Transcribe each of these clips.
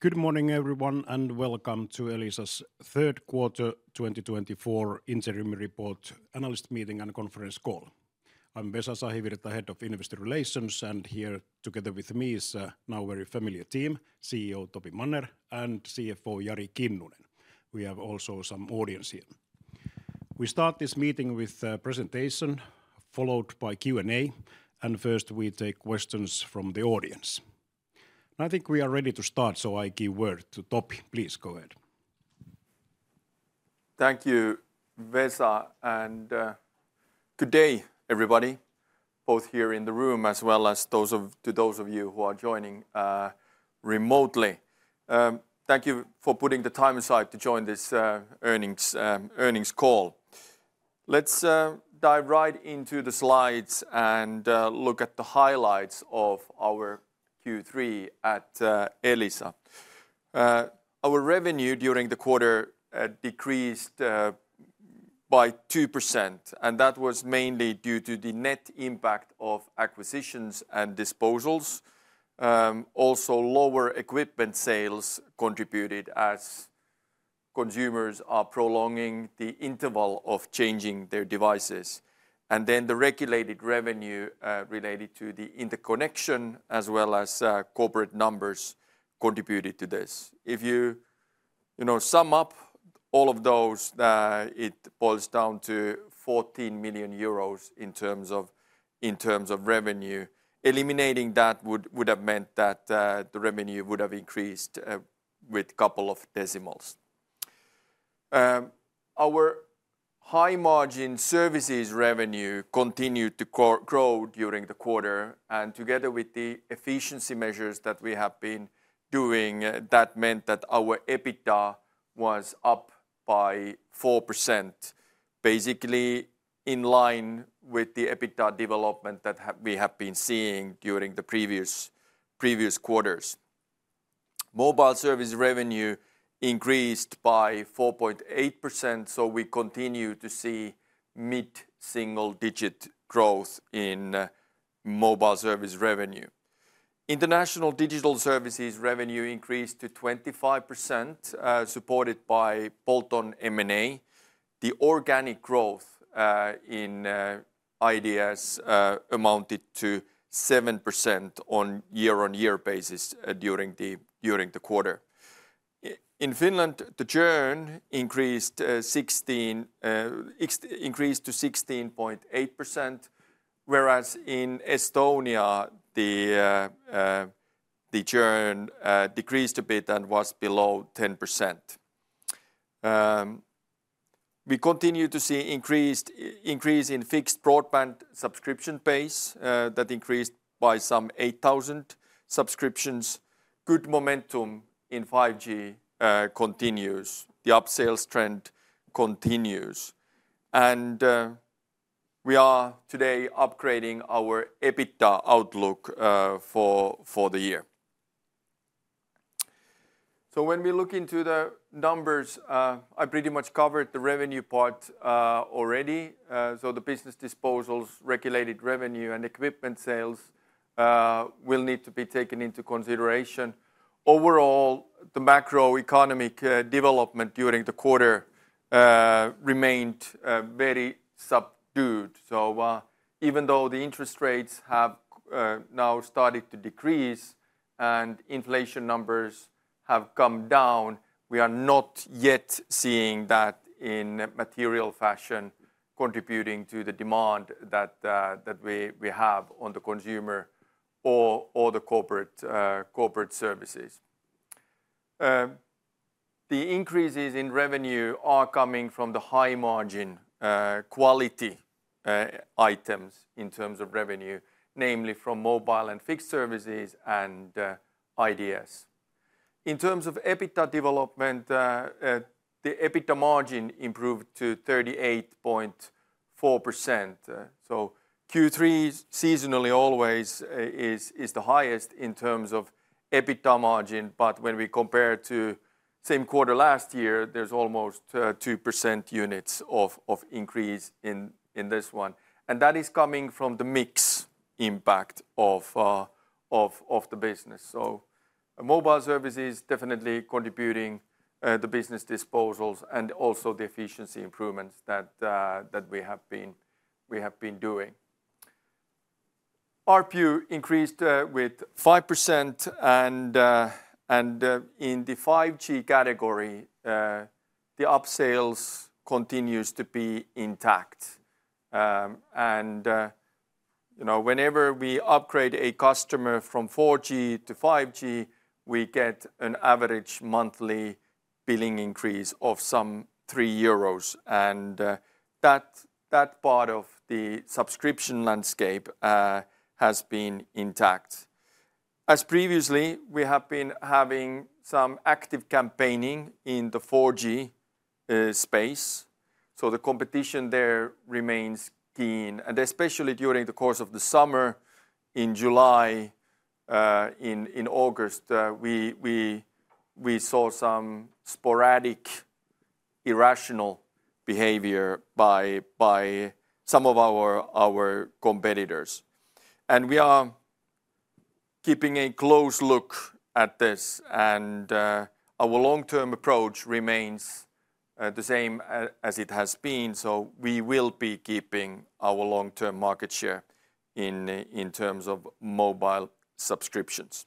Good morning, everyone, and welcome to Elisa's third quarter twenty twenty-four interim report, analyst meeting and conference call. I'm Vesa Sahivirta, Head of Investor Relations, and here together with me is a now very familiar team: CEO Topi Manner and CFO Jari Kinnunen. We have also some audience here. We start this meeting with a presentation, followed by Q&A, and first we take questions from the audience. I think we are ready to start, so I give word to Topi. Please, go ahead. Thank you, Vesa, and good day, everybody, both here in the room as well as to those of you who are joining remotely. Thank you for putting the time aside to join this earnings call. Let's dive right into the slides and look at the highlights of our Q3 at Elisa. Our revenue during the quarter decreased by 2%, and that was mainly due to the net impact of acquisitions and disposals. Also, lower equipment sales contributed as consumers are prolonging the interval of changing their devices. And then the regulated revenue related to the interconnection as well as corporate numbers contributed to this. If you, you know, sum up all of those, it boils down to 14 million euros in terms of revenue. Eliminating that would have meant that the revenue would have increased with couple of decimals. Our high-margin services revenue continued to grow during the quarter, and together with the efficiency measures that we have been doing, that meant that our EBITDA was up by 4%, basically in line with the EBITDA development that we have been seeing during the previous quarters. Mobile service revenue increased by 4.8%, so we continue to see mid-single digit growth in mobile service revenue. International Digital Services revenue increased to 25%, supported by bolt-on M&A. The organic growth in IDS amounted to 7% on year-on-year basis during the quarter. In Finland, the churn increased to 16.8%, whereas in Estonia, the churn decreased a bit and was below 10%. We continue to see increase in fixed broadband subscription base that increased by some 8,000 subscriptions. Good momentum in 5G continues. The upsales trend continues. We are today upgrading our EBITDA outlook for the year. When we look into the numbers, I pretty much covered the revenue part already. So the business disposals, regulated revenue, and equipment sales will need to be taken into consideration. Overall, the macroeconomic development during the quarter remained very subdued. Even though the interest rates have now started to decrease and inflation numbers have come down, we are not yet seeing that in material fashion contributing to the demand that we have on the consumer or the corporate services. The increases in revenue are coming from the high-margin quality items in terms of revenue, namely from mobile and fixed services and IDS. In terms of EBITDA development, the EBITDA margin improved to 38.4%. Q3 seasonally always is the highest in terms of EBITDA margin, but when we compare to same quarter last year, there's almost two percent units of increase in this one, and that is coming from the mix impact of the business. Mobile services definitely contributing, the business disposals and also the efficiency improvements that we have been doing. ARPU increased with 5% and in the 5G category, the upsales continues to be intact. You know, whenever we upgrade a customer from 4G to 5G, we get an average monthly billing increase of some 3 euros, and that part of the subscription landscape has been intact. As previously, we have been having some active campaigning in the 4G space, so the competition there remains keen, and especially during the course of the summer, in July, in August, we saw some sporadic irrational behavior by some of our competitors. We are keeping a close look at this, and our long-term approach remains the same as it has been, so we will be keeping our long-term market share in terms of mobile subscriptions.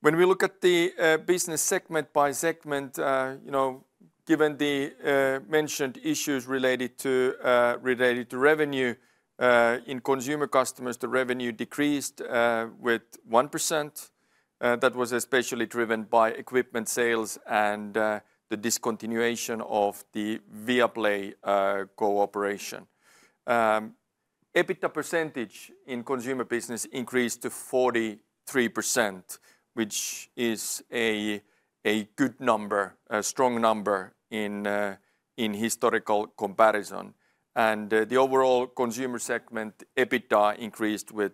When we look at the business segment by segment, you know, given the mentioned issues related to revenue in consumer customers, the revenue decreased with 1%. That was especially driven by equipment sales and the discontinuation of the Viaplay cooperation. EBITDA percentage in consumer business increased to 43%, which is a good number, a strong number in historical comparison. The overall consumer segment EBITDA increased with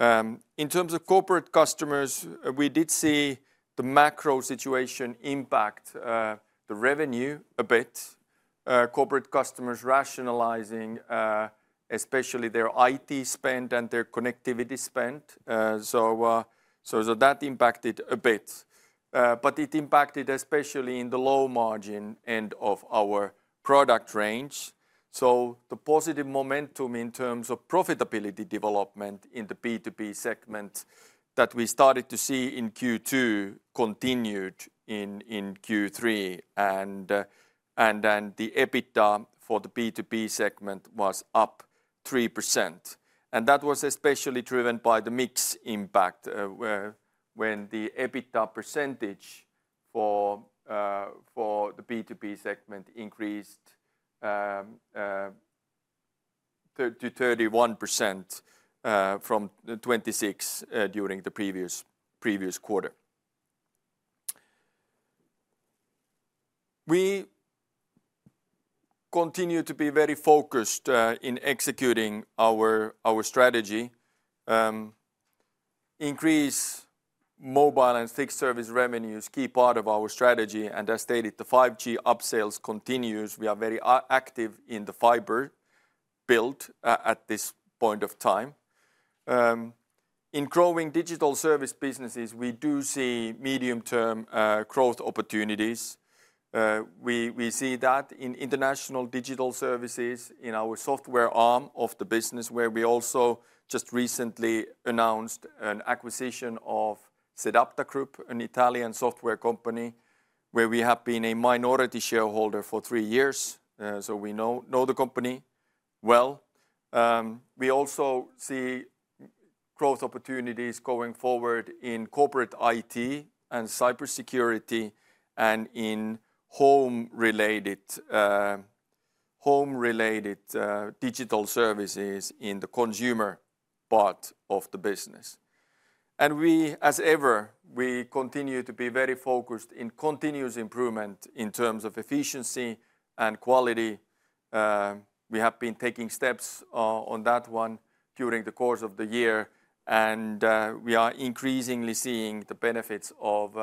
4%. In terms of corporate customers, we did see the macro situation impact the revenue a bit. Corporate customers rationalizing, especially their IT spend and their connectivity spend, so that impacted a bit. But it impacted especially in the low margin end of our product range. So the positive momentum in terms of profitability development in the B2B segment that we started to see in Q2 continued in Q3. And then the EBITDA for the B2B segment was up 3%, and that was especially driven by the mix impact, where when the EBITDA percentage for the B2B segment increased to 31% from 26% during the previous quarter. We continue to be very focused in executing our strategy. Increase mobile and fixed service revenue is key part of our strategy, and as stated, the 5G upsales continues. We are very active in the fiber build at this point of time. In growing digital service businesses, we do see medium-term growth opportunities. We see that in international digital services, in our software arm of the business, where we also just recently announced an acquisition of sedApta Group, an Italian software company, where we have been a minority shareholder for three years. So we know the company well. We also see growth opportunities going forward in corporate IT and cybersecurity, and in home-related digital services in the consumer part of the business, and we, as ever, continue to be very focused in continuous improvement in terms of efficiency and quality. We have been taking steps on that one during the course of the year, and we are increasingly seeing the benefits of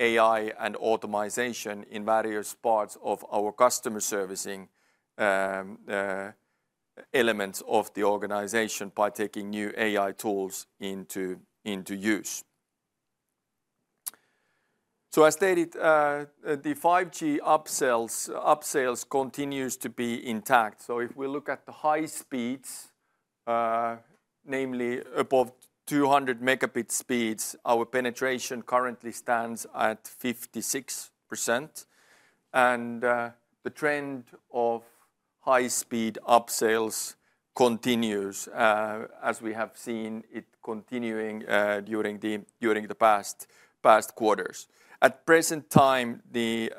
AI and automation in various parts of our customer servicing elements of the organization by taking new AI tools into use. So as stated, the 5G upsales continues to be intact. So if we look at the high speeds, namely above 200 megabit speeds, our penetration currently stands at 56%. And the trend of high-speed upsales continues as we have seen it continuing during the past quarters. At present time, the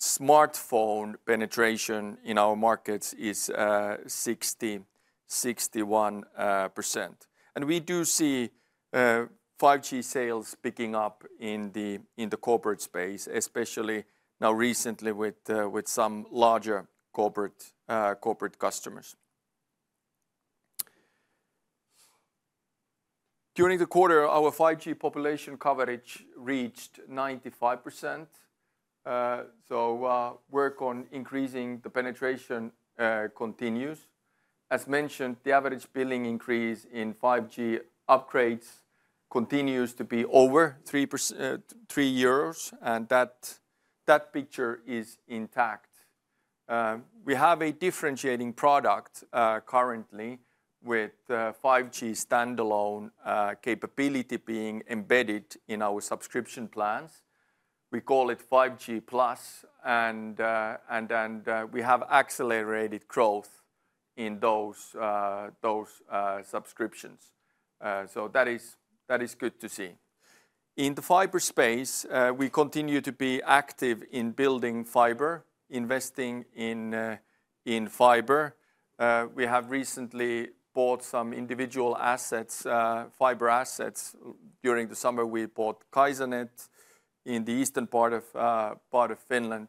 smartphone penetration in our markets is 60%-61%. And we do see 5G sales picking up in the corporate space, especially now recently with some larger corporate customers. During the quarter, our 5G population coverage reached 95%. Work on increasing the penetration continues. As mentioned, the average billing increase in 5G upgrades continues to be over 3% three years, and that picture is intact. We have a differentiating product currently with 5G standalone capability being embedded in our subscription plans. We call it 5G Plus, and we have accelerated growth in those subscriptions. That is good to see. In the fiber space, we continue to be active in building fiber, investing in fiber. We have recently bought some individual assets, fiber assets. During the summer, we bought Kaisanet in the eastern part of Finland.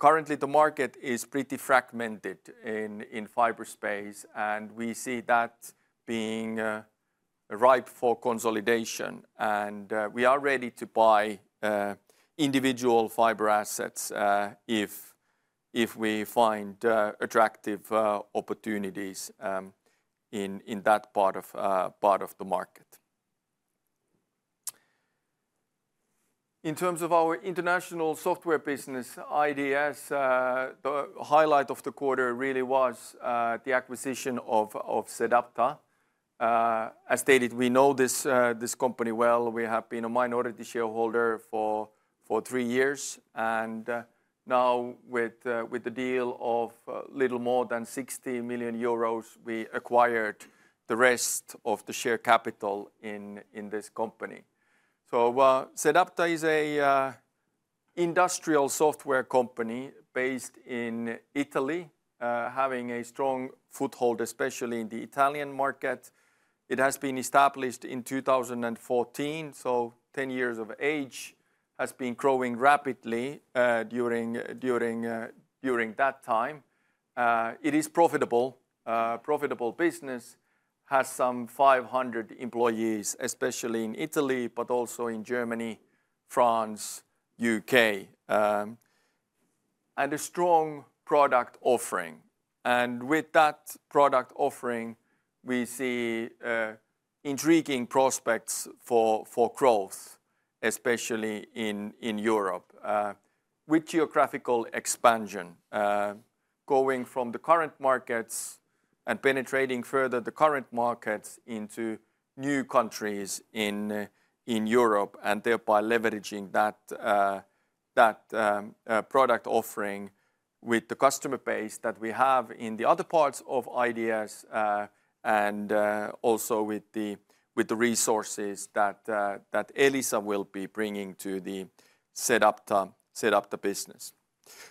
Currently the market is pretty fragmented in fiber space, and we see that being ripe for consolidation. We are ready to buy individual fiber assets if we find attractive opportunities in that part of the market. In terms of our international software business, IDS, the highlight of the quarter really was the acquisition of sedApta. As stated, we know this company well. We have been a minority shareholder for three years, and now with the deal of a little more than 60 million euros, we acquired the rest of the share capital in this company. sedApta is a industrial software company based in Italy, having a strong foothold, especially in the Italian market. It has been established in two thousand and fourteen, so ten years of age. Has been growing rapidly during that time. It is profitable. Profitable business. Has some 500 employees, especially in Italy, but also in Germany, France, UK. And a strong product offering, and with that product offering, we see intriguing prospects for growth, especially in Europe. With geographical expansion, going from the current markets and penetrating further the current markets into new countries in Europe, and thereby leveraging that product offering with the customer base that we have in the other parts of IDS, and also with the resources that Elisa will be bringing to the SedApta, SedApta business.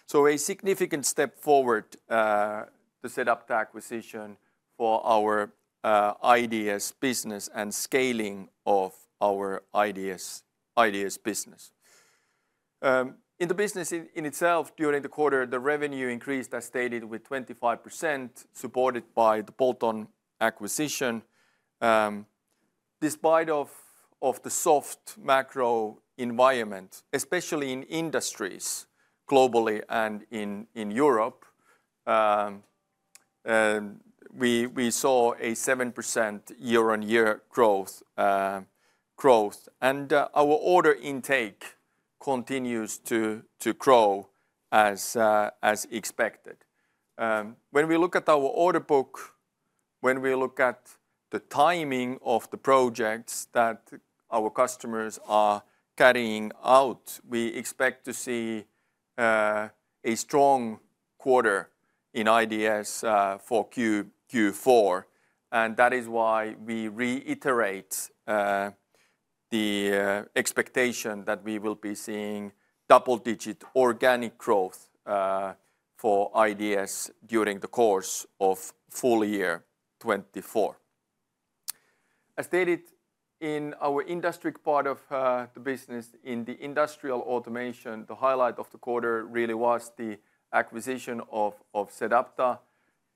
So a significant step forward, the SedApta acquisition for our IDS business and scaling of our IDS business. In the business itself, during the quarter, the revenue increased, as stated, with 25%, supported by the bolt-on acquisition. Despite of the soft macro environment, especially in industries globally and in Europe, we saw a 7% year-on-year growth. And our order intake continues to grow as expected. When we look at our order book, when we look at the timing of the projects that our customers are carrying out, we expect to see a strong quarter in IDS for Q4. And that is why we reiterate the expectation that we will be seeing double-digit organic growth for IDS during the course of full year 2024. As stated, in our industrial part of the business, in the industrial automation, the highlight of the quarter really was the acquisition of SedApta.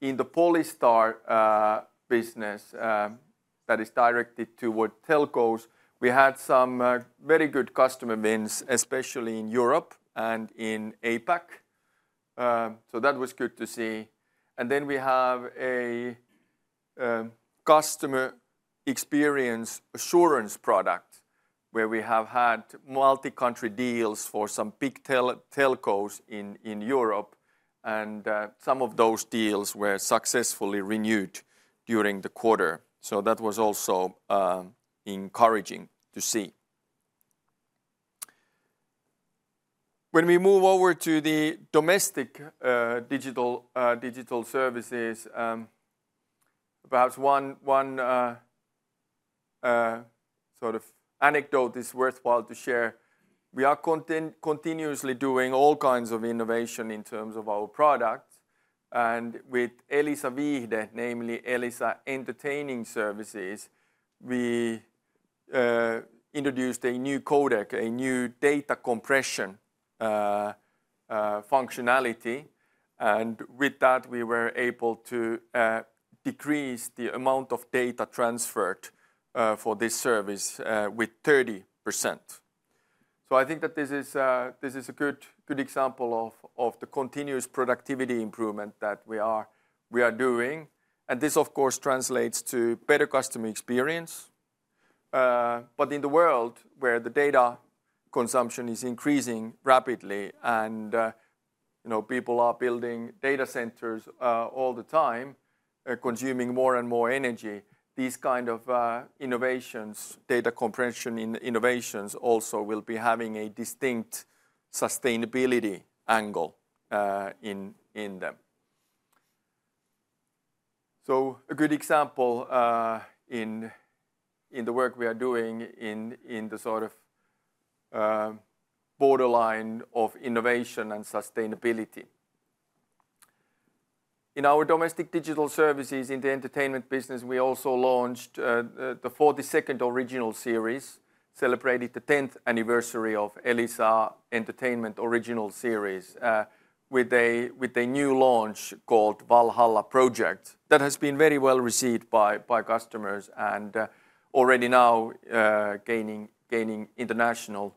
In the Polystar business, that is directed toward telcos, we had some very good customer wins, especially in Europe and in APAC. So that was good to see. And then we have a customer experience assurance product, where we have had multi-country deals for some big telcos in Europe, and some of those deals were successfully renewed during the quarter. So that was also encouraging to see. When we move over to the domestic digital services, perhaps one sort of anecdote is worthwhile to share. We are continuously doing all kinds of innovation in terms of our products, and with Elisa Viihde, namely Elisa Entertainment Services, we introduced a new codec, a new data compression functionality. And with that, we were able to decrease the amount of data transferred for this service with 30%. So I think that this is a good example of the continuous productivity improvement that we are doing, and this, of course, translates to better customer experience. But in the world where the data consumption is increasing rapidly, and you know, people are building data centers all the time, consuming more and more energy, these kind of innovations, data compression innovations, also will be having a distinct sustainability angle in them. A good example in the work we are doing in the sort of borderline of innovation and sustainability. In our domestic digital services in the entertainment business, we also launched the forty-second original series, celebrated the tenth anniversary of Elisa Entertainment original series with a new launch called Valhalla Project, that has been very well received by customers, and already now gaining international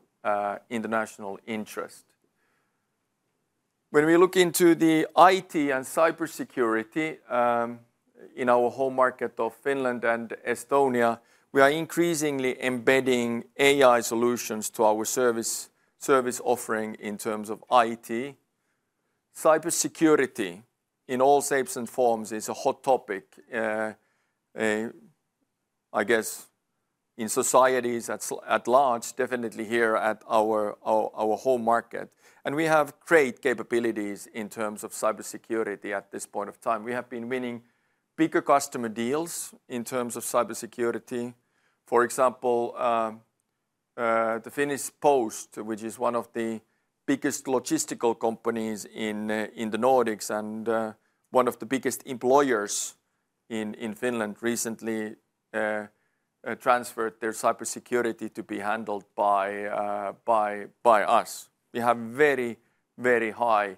interest. When we look into the IT and cybersecurity in our home market of Finland and Estonia, we are increasingly embedding AI solutions to our service offering in terms of IT. Cybersecurity, in all shapes and forms, is a hot topic, I guess in societies at large, definitely here at our home market. And we have great capabilities in terms of cybersecurity at this point of time. We have been winning bigger customer deals in terms of cybersecurity. For example, the Finnish Post, which is one of the biggest logistical companies in the Nordics and one of the biggest employers in Finland, recently transferred their cybersecurity to be handled by us. We have very, very high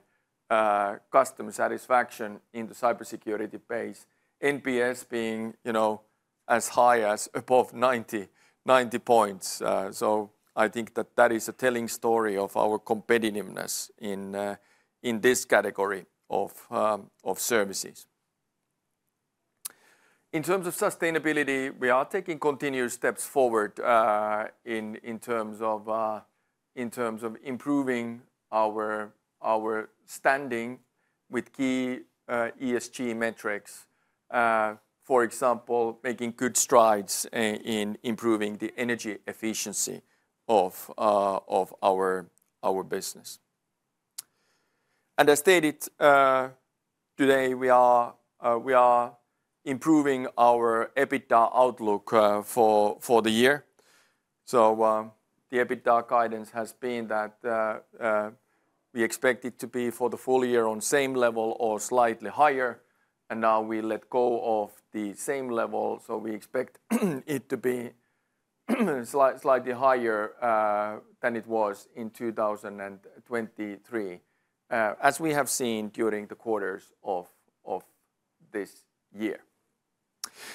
customer satisfaction in the cybersecurity base. NPS being, you know, as high as above 90, 90 points. So I think that that is a telling story of our competitiveness in this category of services. In terms of sustainability, we are taking continuous steps forward in terms of improving our standing with key ESG metrics. For example, making good strides in improving the energy efficiency of our business. And I stated today we are improving our EBITDA outlook for the year. So, the EBITDA guidance has been that we expect it to be for the full year on same level or slightly higher, and now we let go of the same level, so we expect it to be slightly higher than it was in 2023, as we have seen during the quarters of this year.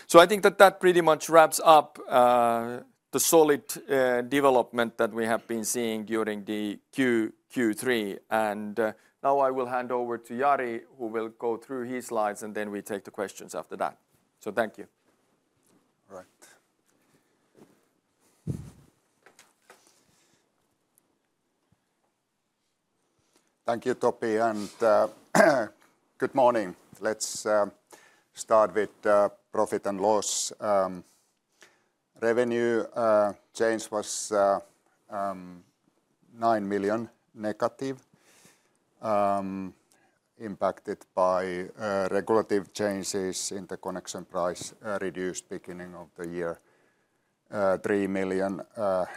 So I think that that pretty much wraps up the solid development that we have been seeing during the Q3. And, now I will hand over to Jari, who will go through his slides, and then we take the questions after that. So thank you. All right. Thank you, Topi, and good morning. Let's start with profit and loss. Revenue change was -EUR 9 million, impacted by regulatory changes in the connection price reduced beginning of the year. -3 million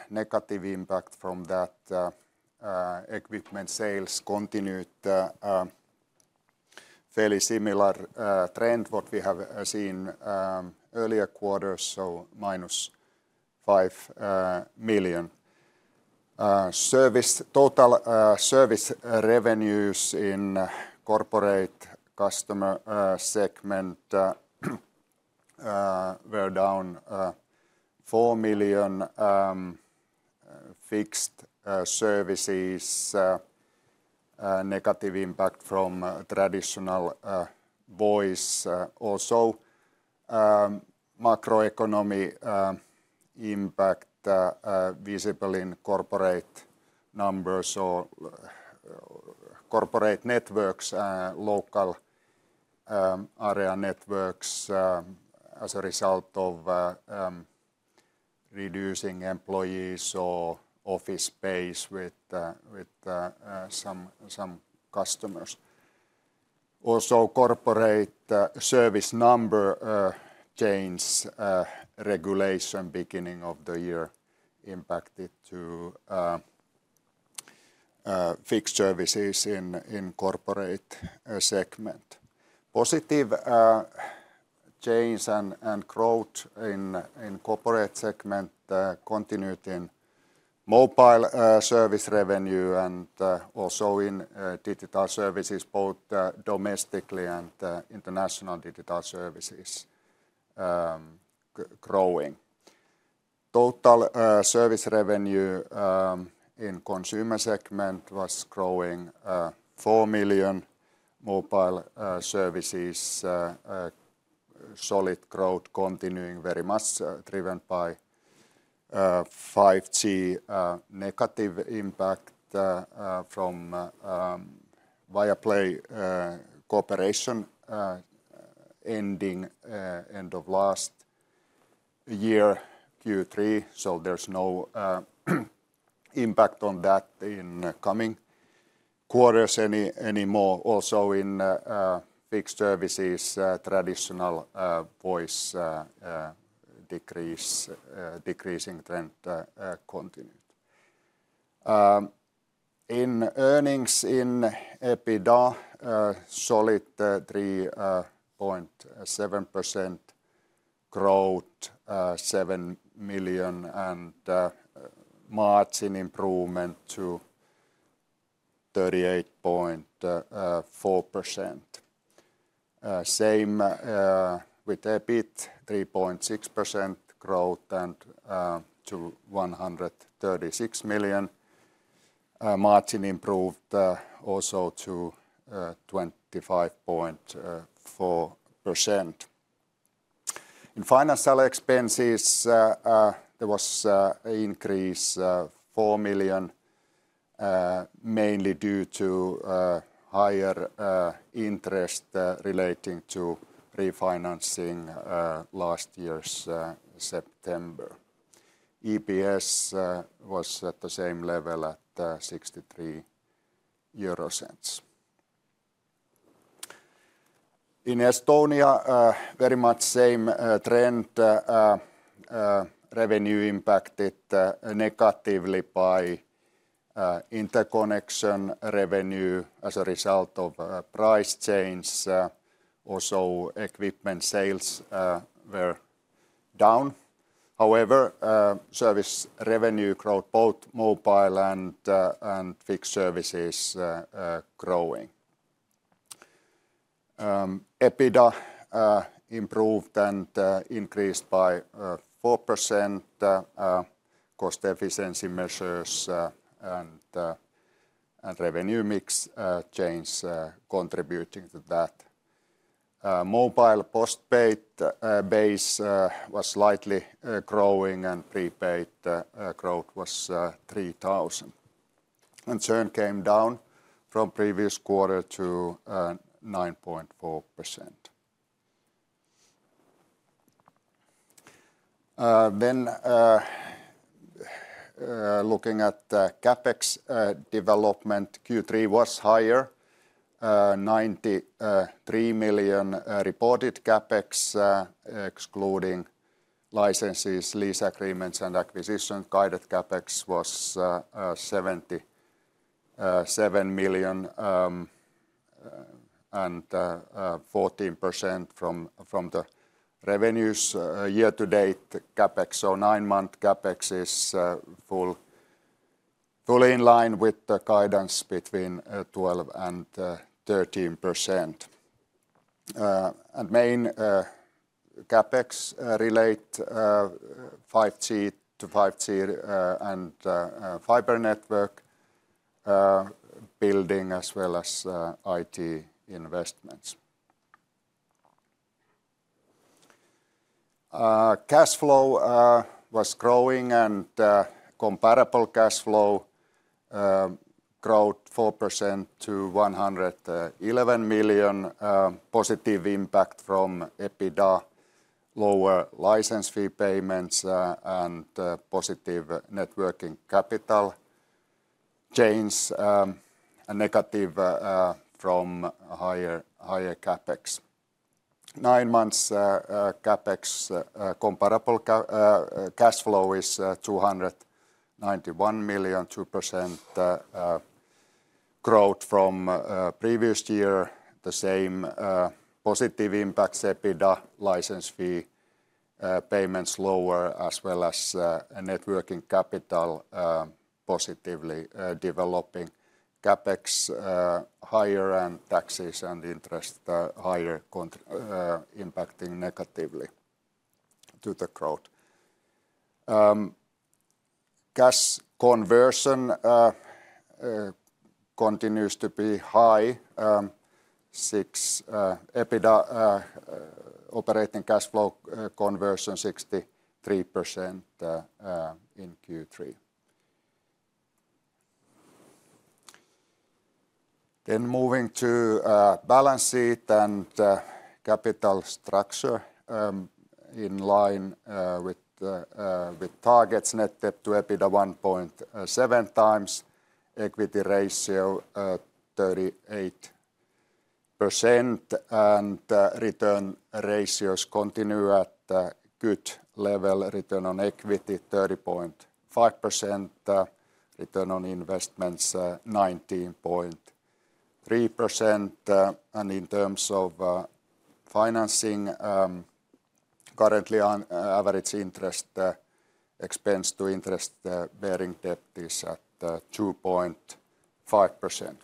negative impact from that. Equipment sales continued fairly similar trend what we have seen earlier quarters, so -5 million. Total service revenues in corporate customer segment were down -4 million. Fixed services negative impact from traditional voice. Also, macroeconomic impact visible in corporate numbers or corporate networks, local area networks, as a result of reducing employees or office space with some customers. Also, corporate service number change regulation beginning of the year impacted fixed services in corporate segment. Positive change and growth in corporate segment continued in mobile service revenue and also in digital services, both domestically and international digital services, growing. Total service revenue in consumer segment was growing four million. Mobile services, a solid growth continuing very much driven by 5G. Negative impact from Viaplay cooperation ending end of last year, Q3, so there's no impact on that in coming quarters anymore. Also, in fixed services, traditional voice decrease decreasing trend continued. In earnings in EBITDA, solid 3.7% growth, 7 million, and margin improvement to 38.4%. Same with EBIT, 3.6% growth and to 136 million. Margin improved also to 25.4%. In financial expenses, there was an increase of 4 million, mainly due to higher interest relating to refinancing last year's September. EPS was at the same level at 0.63. In Estonia, very much same trend, revenue impacted negatively by interconnection revenue as a result of price change. Also equipment sales were down. However, service revenue growth, both mobile and fixed services growing. EBITDA improved and increased by 4%. Cost efficiency measures and revenue mix change contributing to that. Mobile postpaid base was slightly growing, and prepaid growth was 3,000. And churn came down from previous quarter to 9.4%. Then looking at the CapEx development, Q3 was higher, 93 million reported CapEx excluding licenses, lease agreements, and acquisition. Guided CapEx was EUR 77 million and 14% from the revenues year to date CapEx. So nine-month CapEx is fully in line with the guidance between 12% and 13%. and main CapEx related to 5G to 5G and fiber network building as well as IT investments. Cash flow was growing, and comparable cash flow growth 4% to 111 million. Positive impact from EBITDA, lower license fee payments, and positive working capital change, and negative from higher CapEx. Nine months comparable cash flow is 291 million, 2% growth from previous year. The same positive impacts, EBITDA, license fee payments lower, as well as a working capital positively developing CapEx higher, and taxes and interest are higher impacting negatively to the growth. Cash conversion continues to be high, EBITDA operating cash flow conversion 63% in Q3. Then moving to balance sheet and capital structure, in line with targets, net debt to EBITDA 1.7 times, equity ratio 38%, and return ratios continue at a good level. Return on equity 30.5%, return on investments 19.3%. And in terms of financing, currently on average interest expense to interest bearing debt is at 2.5%.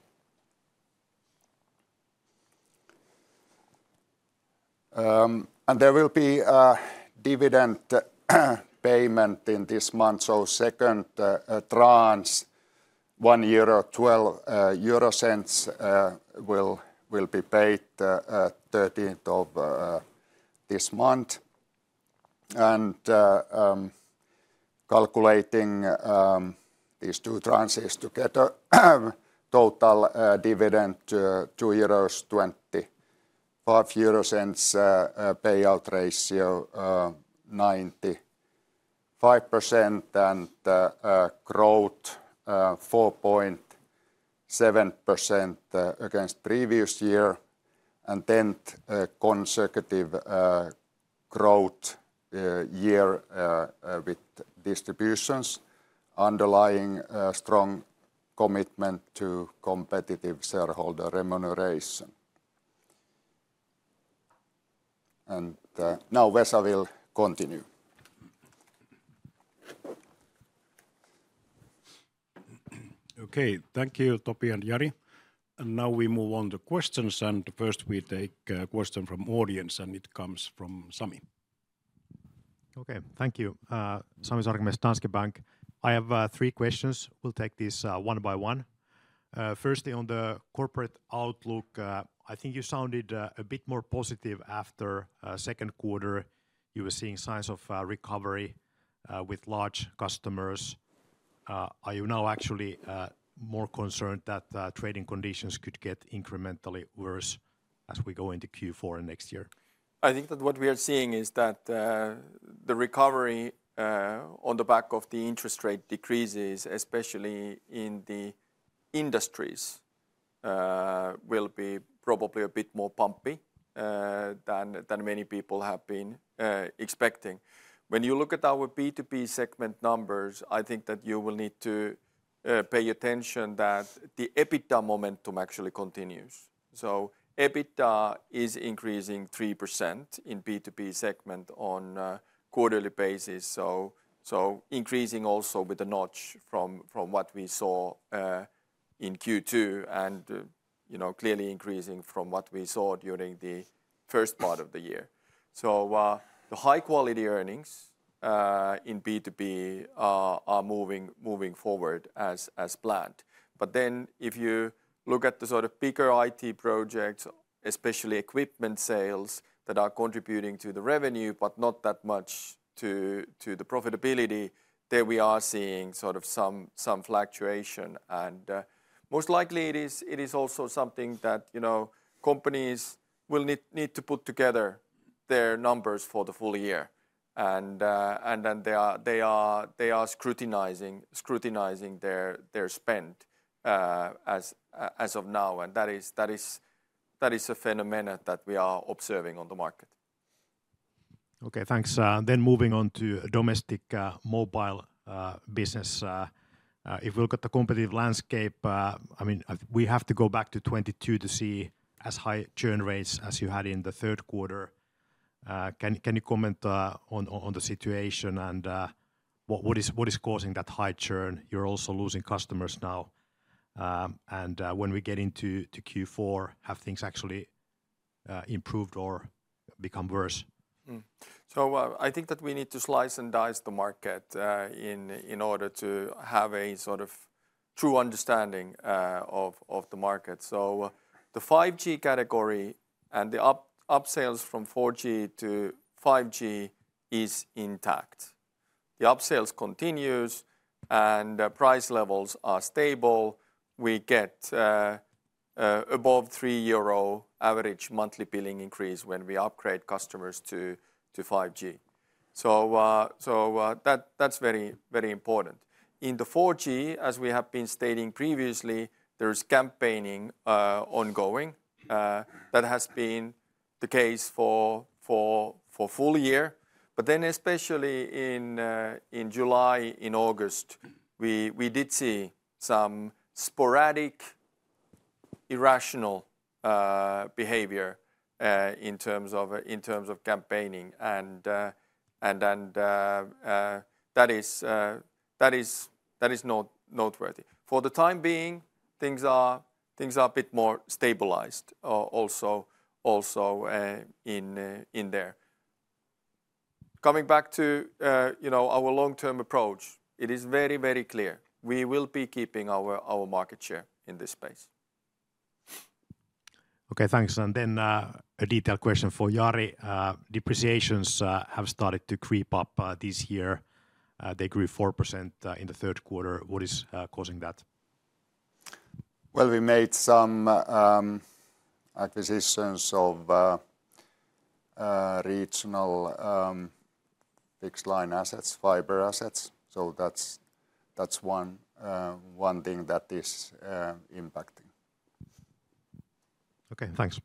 And there will be a dividend payment in this month, so second tranche, 1.12 euro will be paid thirteenth of this month. Calculating these two tranches together, total dividend EUR 2.25, payout ratio 95%, and growth 4.7% against previous year, and tenth consecutive growth year with distributions underlying a strong commitment to competitive shareholder remuneration. Now Vesa will continue. Okay, thank you, Topi and Jari, and now we move on to questions, and first we take a question from audience, and it comes from Sami. Okay. Thank you. Sami Sarkamies, Danske Bank. I have three questions. We'll take these one by one. Firstly, on the corporate outlook, I think you sounded a bit more positive after second quarter. You were seeing signs of recovery with large customers. Are you now actually more concerned that trading conditions could get incrementally worse as we go into Q4 and next year? I think that what we are seeing is that, the recovery, on the back of the interest rate decreases, especially in the industries, will be probably a bit more bumpy, than many people have been, expecting. When you look at our B2B segment numbers, I think that you will need to, pay attention that the EBITDA momentum actually continues. So EBITDA is increasing 3% in B2B segment on a quarterly basis, so increasing also with a notch from what we saw, in Q2, and, you know, clearly increasing from what we saw during the first part of the year. So, the high-quality earnings, in B2B are moving forward as planned. But then if you look at the sort of bigger IT projects, especially equipment sales that are contributing to the revenue but not that much to the profitability, there we are seeing sort of some fluctuation. And most likely it is also something that, you know, companies will need to put together their numbers for the full year. And then they are scrutinizing their spend as of now, and that is a phenomenon that we are observing on the market. Okay, thanks. Then moving on to domestic mobile business. If we look at the competitive landscape, I mean, we have to go back to 2022 to see as high churn rates as you had in the third quarter. Can you comment on the situation and what is causing that high churn? You're also losing customers now, and when we get into Q4, have things actually improved or become worse? So, I think that we need to slice and dice the market, in order to have a sort of true understanding, of the market. So the 5G category and the upsales from 4G to 5G is intact. The upsales continues, and price levels are stable. We get above 3 euro average monthly billing increase when we upgrade customers to 5G. So, that, that's very, very important. In the 4G, as we have been stating previously, there's campaigning ongoing. That has been the case for full year. But then especially in July, in August, we did see some sporadic irrational behavior in terms of campaigning. And that is not noteworthy. For the time being, things are a bit more stabilized, also in there. Coming back to, you know, our long-term approach, it is very, very clear, we will be keeping our market share in this space. Okay, thanks. And then, a detailed question for Jari. Depreciations have started to creep up this year. They grew 4% in the third quarter. What is causing that? We made some acquisitions of regional fixed line assets, fiber assets. So that's one thing that is impacting. Okay, thanks.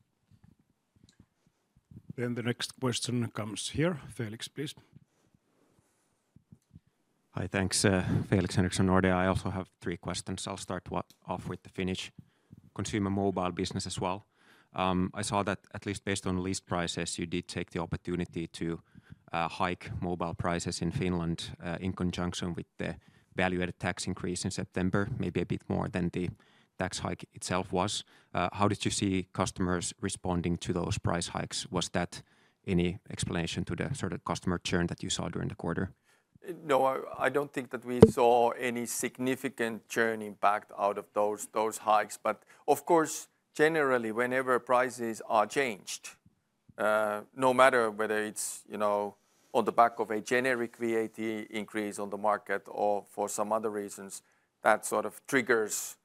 Then the next question comes here. Felix, please. Hi, thanks. Felix Henriksson, Nordea. I also have three questions. I'll start off with the Finnish consumer mobile business as well. I saw that at least based on list prices, you did take the opportunity to hike mobile prices in Finland in conjunction with the value-added tax increase in September, maybe a bit more than the tax hike itself was. How did you see customers responding to those price hikes? Was that any explanation to the sort of customer churn that you saw during the quarter? No, I don't think that we saw any significant churn impact out of those hikes. But of course, generally, whenever prices are changed, no matter whether it's, you know, on the back of a generic VAT increase on the market or for some other reasons, that sort of triggers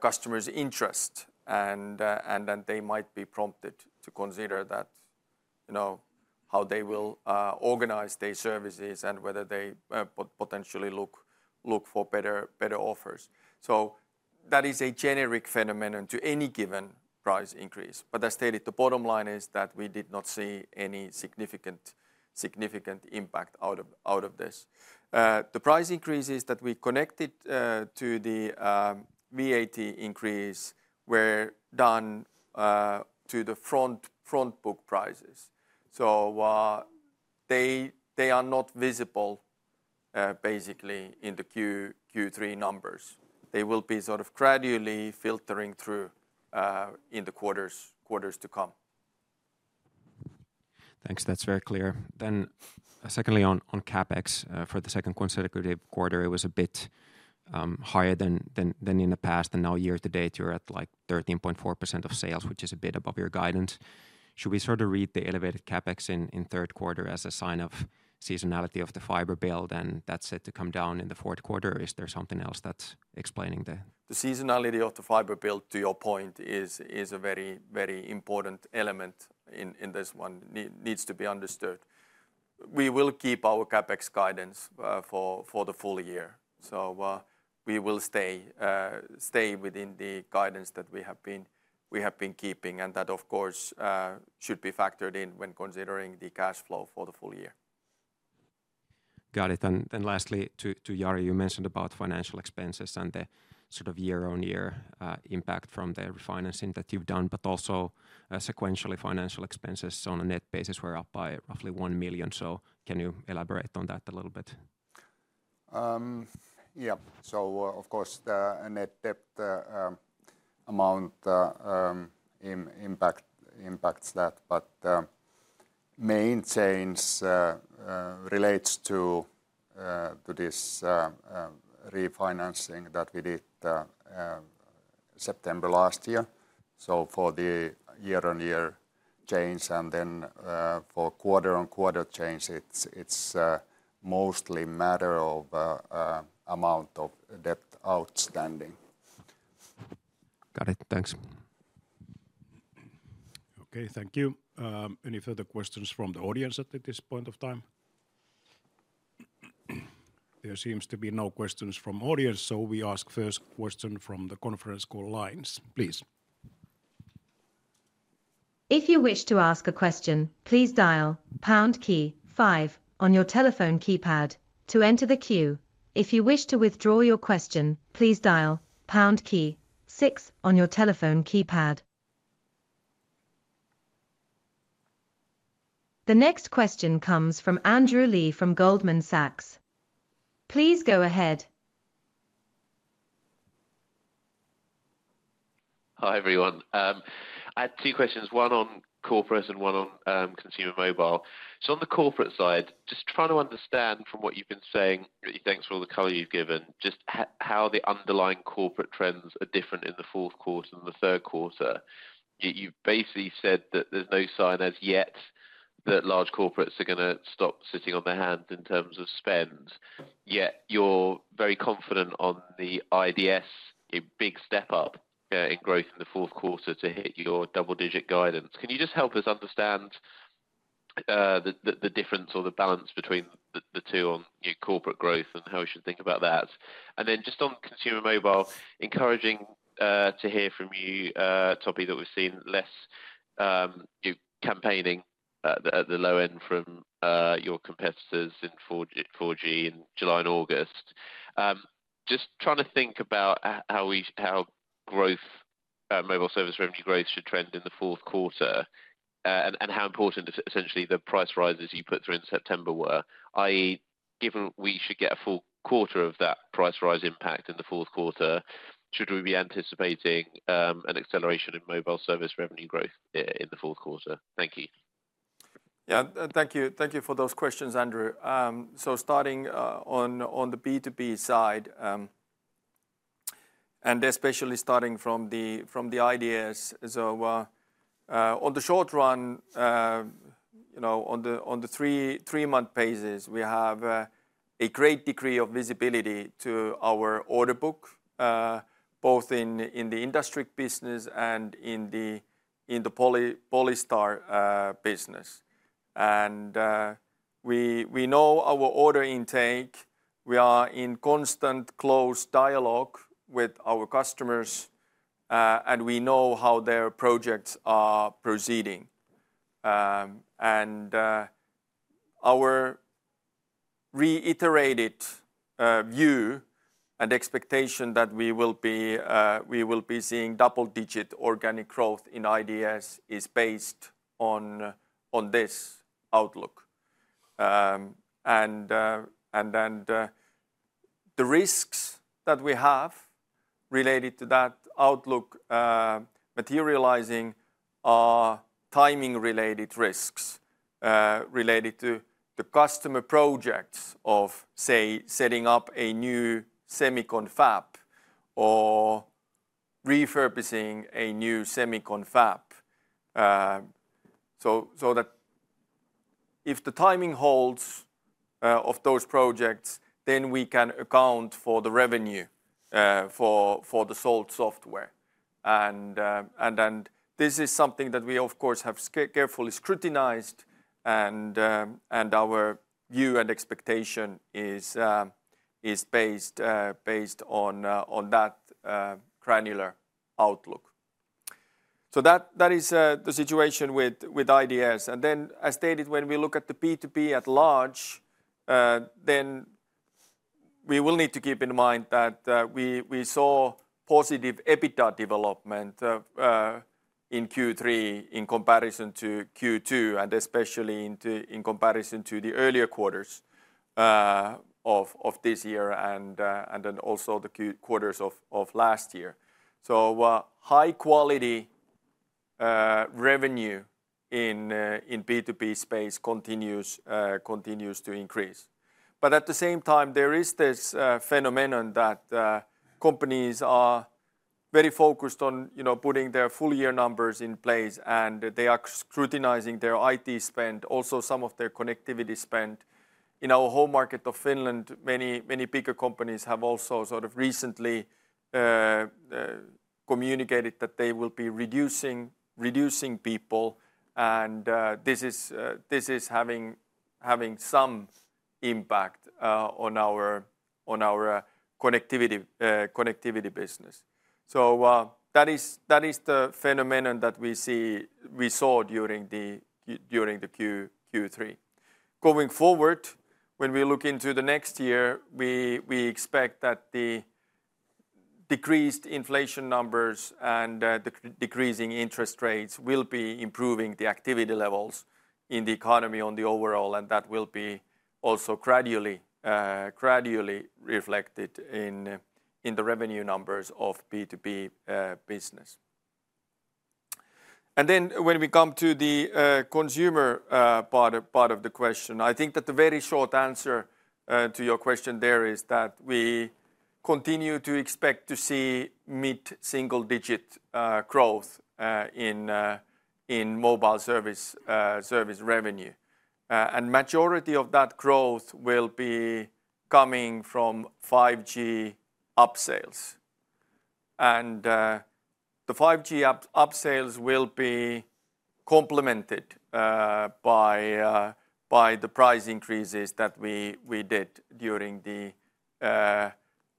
customers' interest, and then they might be prompted to consider that you know, how they will organize their services and whether they potentially look for better offers. So that is a generic phenomenon to any given price increase. But as stated, the bottom line is that we did not see any significant impact out of this. The price increases that we connected to the VAT increase were done to the front book prices. They are not visible, basically, in the Q3 numbers. They will be sort of gradually filtering through in the quarters to come. Thanks. That's very clear. Then secondly, on CapEx, for the second consecutive quarter, it was a bit higher than in the past, and now year to date, you're at like 13.4% of sales, which is a bit above your guidance. Should we sort of read the elevated CapEx in third quarter as a sign of seasonality of the fiber build, and that's set to come down in the fourth quarter? Is there something else that's explaining the- The seasonality of the fiber build, to your point, is a very, very important element in this one. It needs to be understood. We will keep our CapEx guidance for the full year, so we will stay within the guidance that we have been keeping, and that, of course, should be factored in when considering the cash flow for the full year. Got it. And then lastly, to Jari, you mentioned about financial expenses and the sort of year-on-year impact from the refinancing that you've done, but also sequentially, financial expenses on a net basis were up by roughly one million. So can you elaborate on that a little bit? Yeah. So, of course, the net debt amount impacts that. But main change relates to this refinancing that we did September last year. So for the year-on-year change and then for quarter-on-quarter change, it's mostly matter of amount of debt outstanding. Got it. Thanks. Okay, thank you. Any further questions from the audience at this point of time? There seems to be no questions from audience, so we ask first question from the conference call lines, please. If you wish to ask a question, please dial pound key five on your telephone keypad to enter the queue. If you wish to withdraw your question, please dial pound key six on your telephone keypad. The next question comes from Andrew Lee from Goldman Sachs. Please go ahead. Hi, everyone. I had two questions, one on corporate and one on consumer mobile. So on the corporate side, just trying to understand from what you've been saying, thanks for all the color you've given, just how the underlying corporate trends are different in the fourth quarter and the third quarter. You've basically said that there's no sign as yet that large corporates are gonna stop sitting on their hands in terms of spend, yet you're very confident on the IDS, a big step up in growth in the fourth quarter to hit your double-digit guidance. Can you just help us understand the difference or the balance between the two on your corporate growth and how we should think about that? And then just on consumer mobile, encouraging to hear from you, Topi, that we've seen less campaigning at the low end from your competitors in 4G in July and August. Just trying to think about how mobile service revenue growth should trend in the fourth quarter, and how important essentially the price rises you put through in September were, i.e., given we should get a full quarter of that price rise impact in the fourth quarter, should we be anticipating an acceleration in mobile service revenue growth in the fourth quarter? Thank you. Yeah, thank you. Thank you for those questions, Andrew. So starting on the B2B side, and especially starting from the IDS. So on the short run, you know, on the three-month basis, we have a great degree of visibility to our order book, both in the industry business and in the Polystar business. And we know our order intake, we are in constant close dialogue with our customers, and we know how their projects are proceeding. And our reiterated view and expectation that we will be seeing double-digit organic growth in IDS is based on this outlook. And then the risks that we have related to that outlook materializing are timing-related risks related to the customer projects of, say, setting up a new semicon fab or refurbishing a new semicon fab. So that if the timing holds of those projects, then we can account for the revenue for the sold software. And then this is something that we, of course, have carefully scrutinized, and our view and expectation is based on that granular outlook. So that is the situation with IDS. Then as stated, when we look at the B2B at large, we will need to keep in mind that we saw positive EBITDA development in Q3 in comparison to Q2, and especially in comparison to the earlier quarters of this year, and then also the quarters of last year. So high quality revenue in B2B space continues to increase. But at the same time, there is this phenomenon that companies are very focused on, you know, putting their full year numbers in place, and they are scrutinizing their IT spend, also some of their connectivity spend. In our home market of Finland, many bigger companies have also sort of recently communicated that they will be reducing people, and this is having some impact on our connectivity business. That is the phenomenon that we saw during the Q3. Going forward, when we look into the next year, we expect that the decreased inflation numbers and the decreasing interest rates will be improving the activity levels in the economy on the overall, and that will be also gradually reflected in the revenue numbers of B2B business. And then when we come to the consumer part of the question, I think that the very short answer to your question there is that we continue to expect to see mid-single digit growth in mobile service revenue. And majority of that growth will be coming from 5G upsales. And the 5G upsales will be complemented by the price increases that we did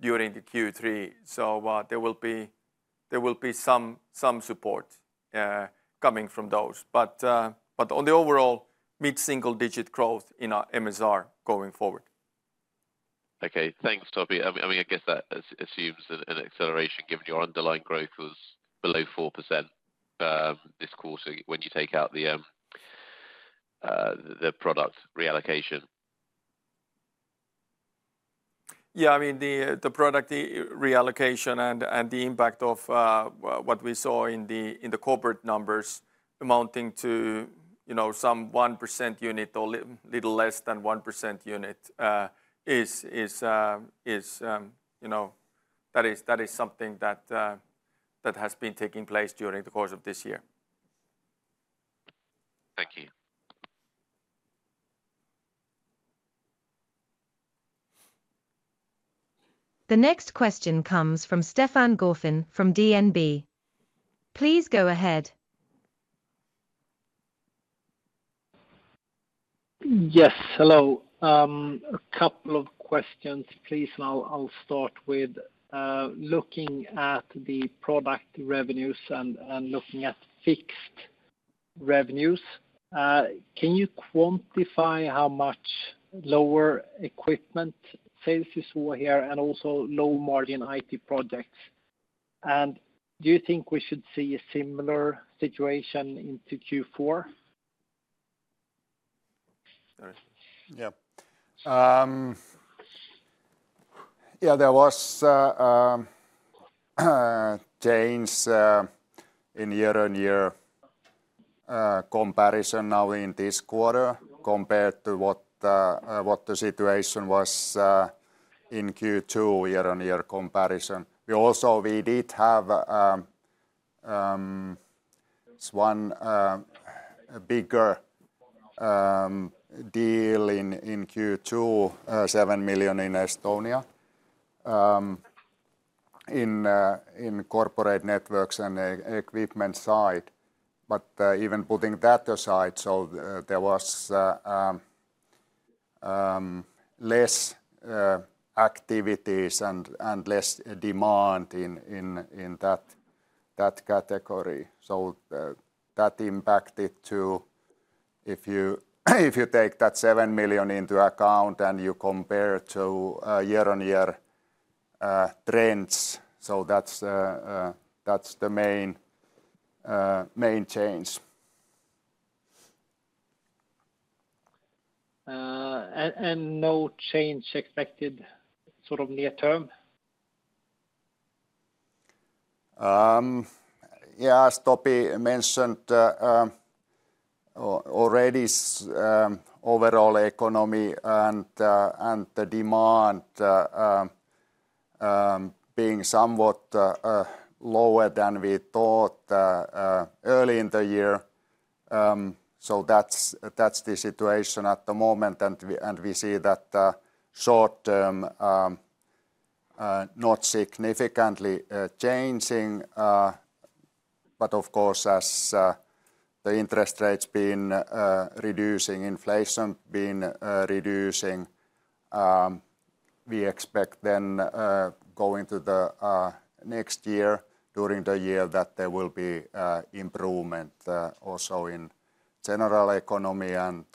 during the Q3. So there will be some support coming from those. But on the overall, mid-single digit growth in our MSR going forward. Okay, thanks, Topi. I mean, I guess that assumes that an acceleration, given your underlying growth was below 4%, this quarter, when you take out the product reallocation. Yeah, I mean, the product reallocation and the impact of what we saw in the corporate numbers amounting to, you know, some 1% unit or little less than 1% unit is, you know, that is something that has been taking place during the course of this year. Thank you. The next question comes from Stefan Gauffin from DNB. Please go ahead. Yes, hello. A couple of questions, please, and I'll start with looking at the product revenues and looking at fixed revenues. Can you quantify how much lower equipment sales you saw here, and also low margin IT projects? And do you think we should see a similar situation into Q4? Yeah. Yeah, there was a change in year-on-year comparison now in this quarter, compared to what the situation was in Q2 year-on-year comparison. We also... We did have a bigger deal in Q2, 7 million in Estonia, in corporate networks and equipment side. But even putting that aside, so there was less activities and less demand in that category. So that impacted to, if you take that 7 million into account and you compare to year-on-year trends, so that's the main change. And no change expected sort of near term? Yeah, as Topi mentioned, already, overall economy and the demand being somewhat lower than we thought early in the year. So that's the situation at the moment, and we see that the short term not significantly changing. But of course, as the interest rates been reducing inflation been reducing, we expect then going to the next year, during the year, that there will be a improvement also in general economy and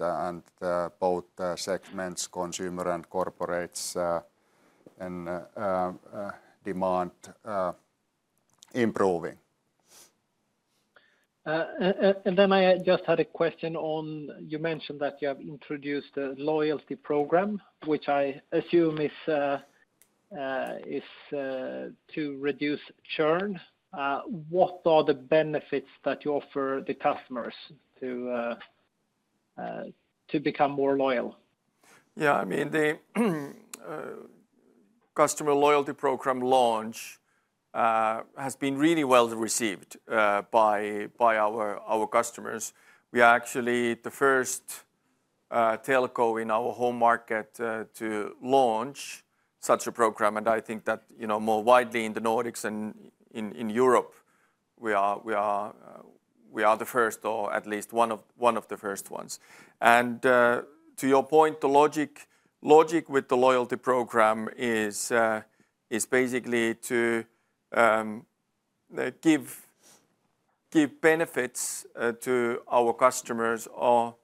both segments, consumer and corporates, and demand improving. And then I just had a question on... You mentioned that you have introduced a loyalty program, which I assume is to reduce churn. What are the benefits that you offer the customers to become more loyal? Yeah, I mean, the customer loyalty program launch has been really well received by our customers. We are actually the first telco in our home market to launch such a program, and I think that, you know, more widely in the Nordics and in Europe, we are the first, or at least one of the first ones. And to your point, the logic with the loyalty program is basically to give benefits to our customers on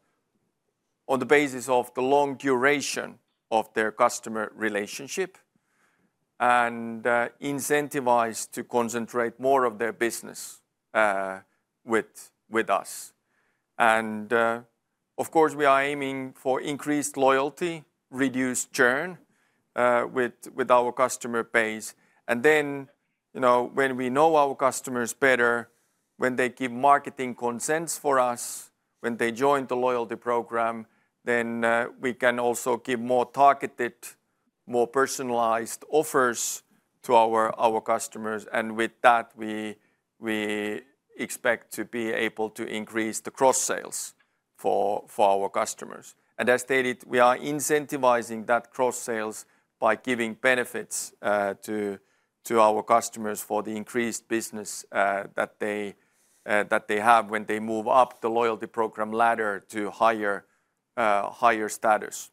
the basis of the long duration of their customer relationship, and incentivize to concentrate more of their business with us. And of course, we are aiming for increased loyalty, reduced churn with our customer base. And then, you know, when we know our customers better, when they give marketing consents for us, when they join the loyalty program, then we can also give more targeted, more personalized offers to our customers, and with that, we expect to be able to increase the cross-sales for our customers. And as stated, we are incentivizing that cross-sales by giving benefits to our customers for the increased business that they have when they move up the loyalty program ladder to higher status.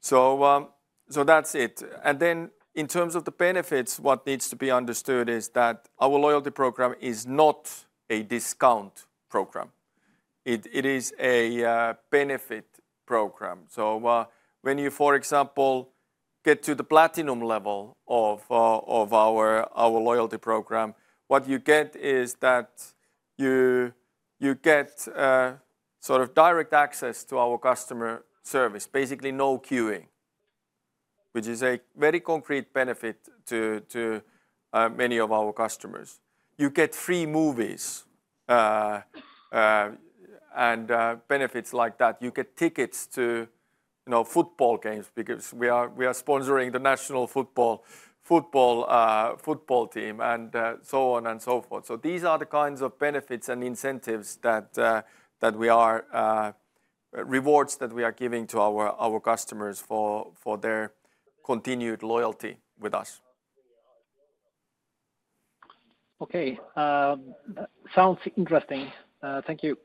So that's it. And then, in terms of the benefits, what needs to be understood is that our loyalty program is not a discount program. It is a benefit program. So, when you, for example, get to the platinum level of our loyalty program, what you get is that you get sort of direct access to our customer service. Basically, no queuing, which is a very concrete benefit to many of our customers. You get free movies and benefits like that. You get tickets to, you know, football games because we are sponsoring the national football team, and so on and so forth. So these are the kinds of benefits and incentives that we are rewards that we are giving to our customers for their continued loyalty with us. Okay, sounds interesting. Thank you.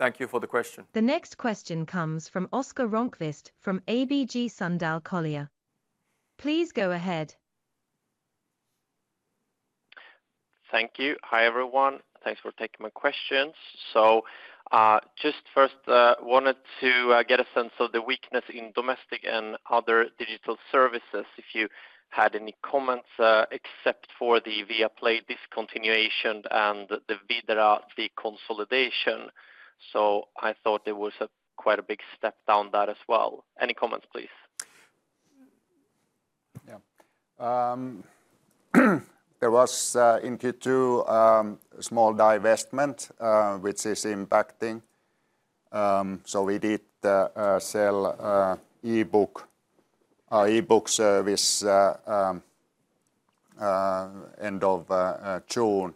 Thank you for the question. The next question comes from Oskar Rönnq from ABG Sundal Collier. Please go ahead. Thank you. Hi, everyone. Thanks for taking my questions. So, just first, wanted to get a sense of the weakness in domestic and other digital services, if you had any comments, except for the Viaplay discontinuation and the Videra, the consolidation. So I thought there was quite a big step down that as well. Any comments, please? Yeah. There was in Q2 small divestment which is impacting. So we did sell ebook service end of June.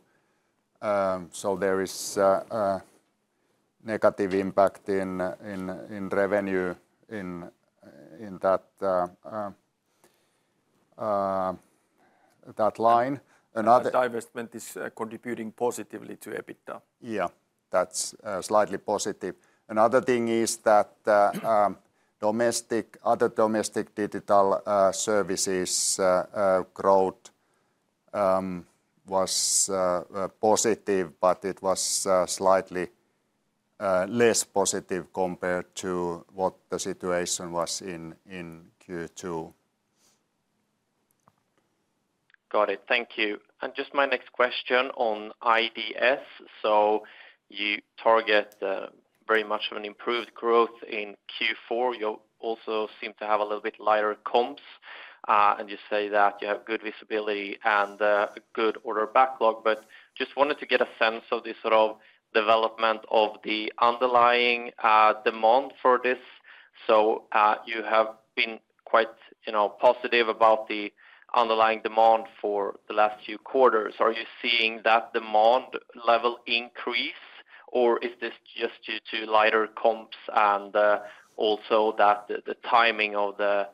So there is a negative impact in revenue in that line. Another- Divestment is contributing positively to EBITDA. Yeah, that's slightly positive. Another thing is that other domestic digital services growth was positive, but it was slightly less positive compared to what the situation was in Q2. Got it. Thank you. And just my next question on IDS, so you target very much of an improved growth in Q4. You also seem to have a little bit lighter comps, and you say that you have good visibility and a good order backlog, but just wanted to get a sense of the sort of development of the underlying demand for this. So, you have been quite, you know, positive about the underlying demand for the last few quarters. Are you seeing that demand level increase, or is this just due to lighter comps, and also that the timing of the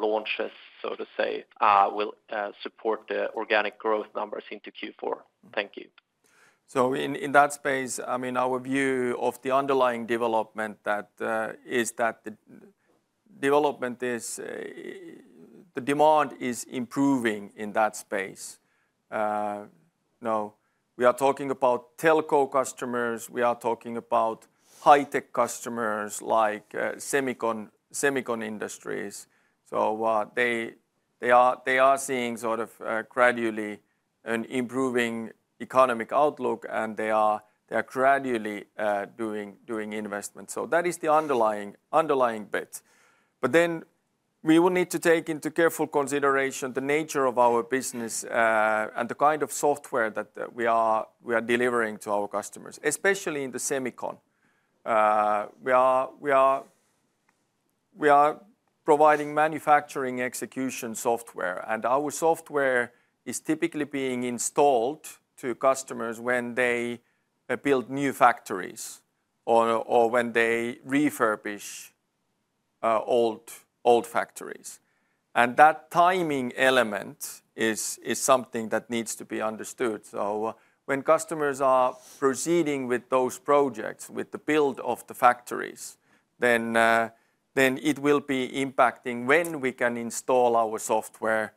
launches, so to say, will support the organic growth numbers into Q4? Thank you. So in that space, I mean, our view of the underlying development that is that the development is the demand is improving in that space. Now, we are talking about telco customers. We are talking about high-tech customers, like, semicon industries. So, they are seeing sort of gradually an improving economic outlook, and they are gradually doing investment. So that is the underlying bit. But then we will need to take into careful consideration the nature of our business and the kind of software that we are delivering to our customers, especially in the semicon. We are providing manufacturing execution software, and our software is typically being installed to customers when they build new factories or when they refurbish old factories. That timing element is something that needs to be understood. So when customers are proceeding with those projects, with the build of the factories, then it will be impacting when we can install our software,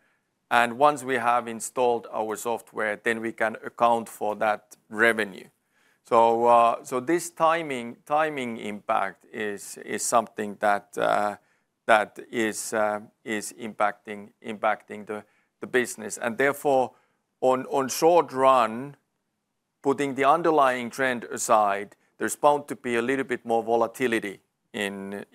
and once we have installed our software, then we can account for that revenue. So this timing impact is something that is impacting the business. Therefore, on short run, putting the underlying trend aside, there's bound to be a little bit more volatility in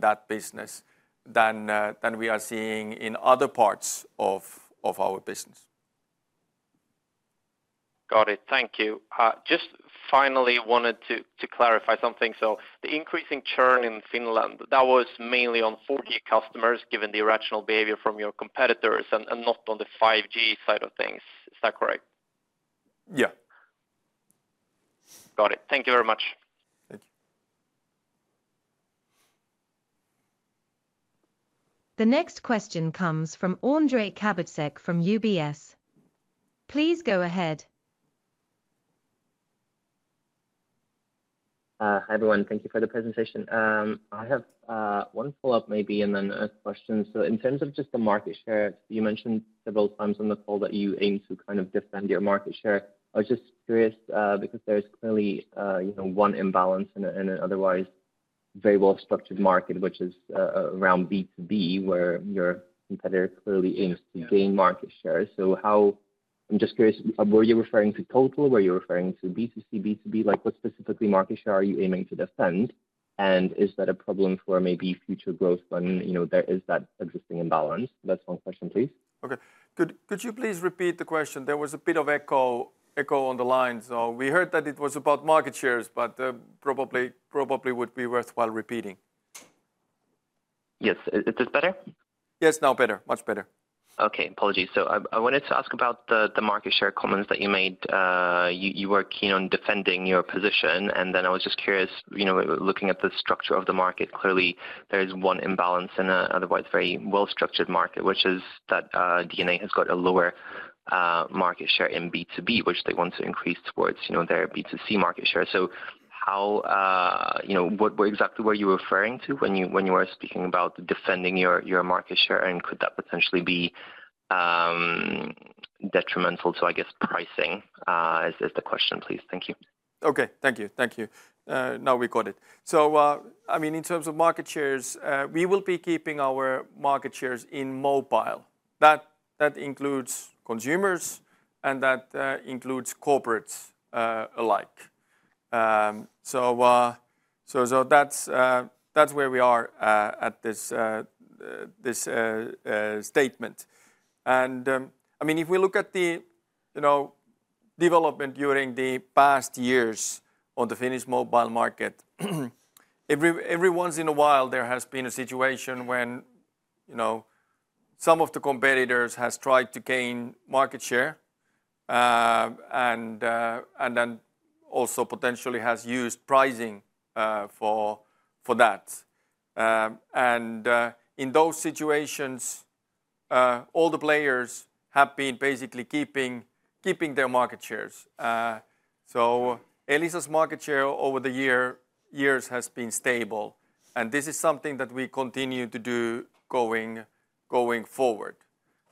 that business than we are seeing in other parts of our business. Got it. Thank you. Just finally wanted to clarify something. So the increasing churn in Finland, that was mainly on 4G customers, given the irrational behavior from your competitors and not on the 5G side of things. Is that correct? Yeah. Got it. Thank you very much. Thank you. The next question comes from Ondrej Cabejsek from UBS. Please go ahead. Hi, everyone. Thank you for the presentation. I have one follow-up maybe, and then a question. So in terms of just the market share, you mentioned several times on the call that you aim to kind of defend your market share. I was just curious, because there's clearly, you know, one imbalance in an otherwise very well-structured market, which is around B2B, where your competitor clearly aims- Yeah... to gain market share. So how, I'm just curious, were you referring to total? Were you referring to B2C, B2B? Like, what specifically market share are you aiming to defend, and is that a problem for maybe future growth when, you know, there is that existing imbalance? That's one question, please. Okay. Could you please repeat the question? There was a bit of echo on the line. So we heard that it was about market shares, but probably would be worthwhile repeating. Yes. Is this better? Yes. Now better. Much better. Okay, apologies. So I wanted to ask about the market share comments that you made. You were keen on defending your position, and then I was just curious, you know, looking at the structure of the market. Clearly there is one imbalance in an otherwise very well-structured market, which is that DNA has got a lower market share in B2B, which they want to increase towards, you know, their B2C market share. So how... You know, what exactly were you referring to when you were speaking about defending your market share, and could that potentially be detrimental to, I guess, pricing? Is the question, please. Thank you. Okay. Thank you. Thank you. Now we got it. So, I mean, in terms of market shares, we will be keeping our market shares in mobile. That includes consumers, and that includes corporates alike. So, that's where we are at this statement. And, I mean, if we look at the development during the past years on the Finnish mobile market, every once in a while, there has been a situation when, you know, some of the competitors has tried to gain market share, and then also potentially has used pricing for that. And, in those situations, all the players have been basically keeping their market shares. So Elisa's market share over the years has been stable, and this is something that we continue to do going forward.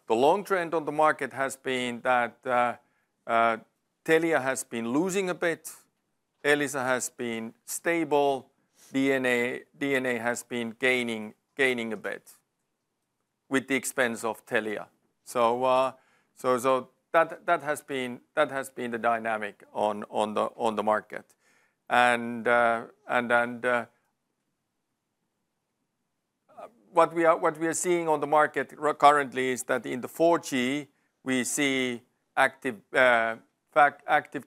The long trend on the market has been that Telia has been losing a bit, Elisa has been stable, DNA has been gaining a bit at the expense of Telia. So... So that has been the dynamic on the market. What we are seeing on the market currently is that in the 4G, we see active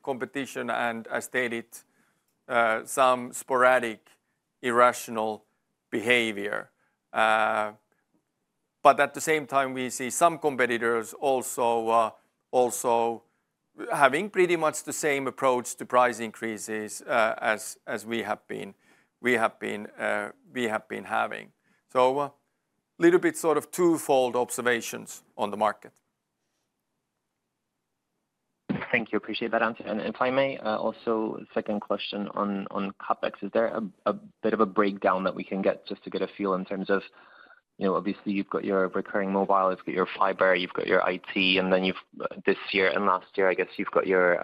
competition, and as stated, some sporadic irrational behavior, but at the same time, we see some competitors also having pretty much the same approach to price increases, as we have been having, so a little bit sort of twofold observations on the market. Thank you. Appreciate that answer. And if I may, also second question on CapEx. Is there a bit of a breakdown that we can get just to get a feel in terms of, you know, obviously, you've got your recurring mobile, you've got your fiber, you've got your IT, and then this year and last year, I guess you've got your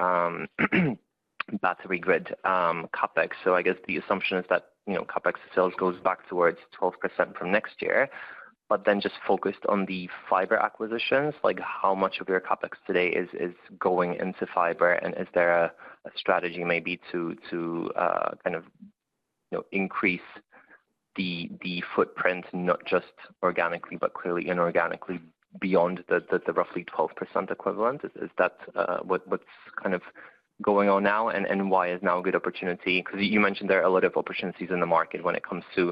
battery grid CapEx. So I guess the assumption is that, you know, CapEx sales goes back towards 12% from next year. But then just focused on the fiber acquisitions, like, how much of your CapEx today is going into fiber? And is there a strategy maybe to kind of, you know, increase the footprint, not just organically, but clearly inorganically beyond the roughly 12% equivalent? Is that what’s kind of going on now, and why is now a good opportunity? 'Cause you mentioned there are a lot of opportunities in the market when it comes to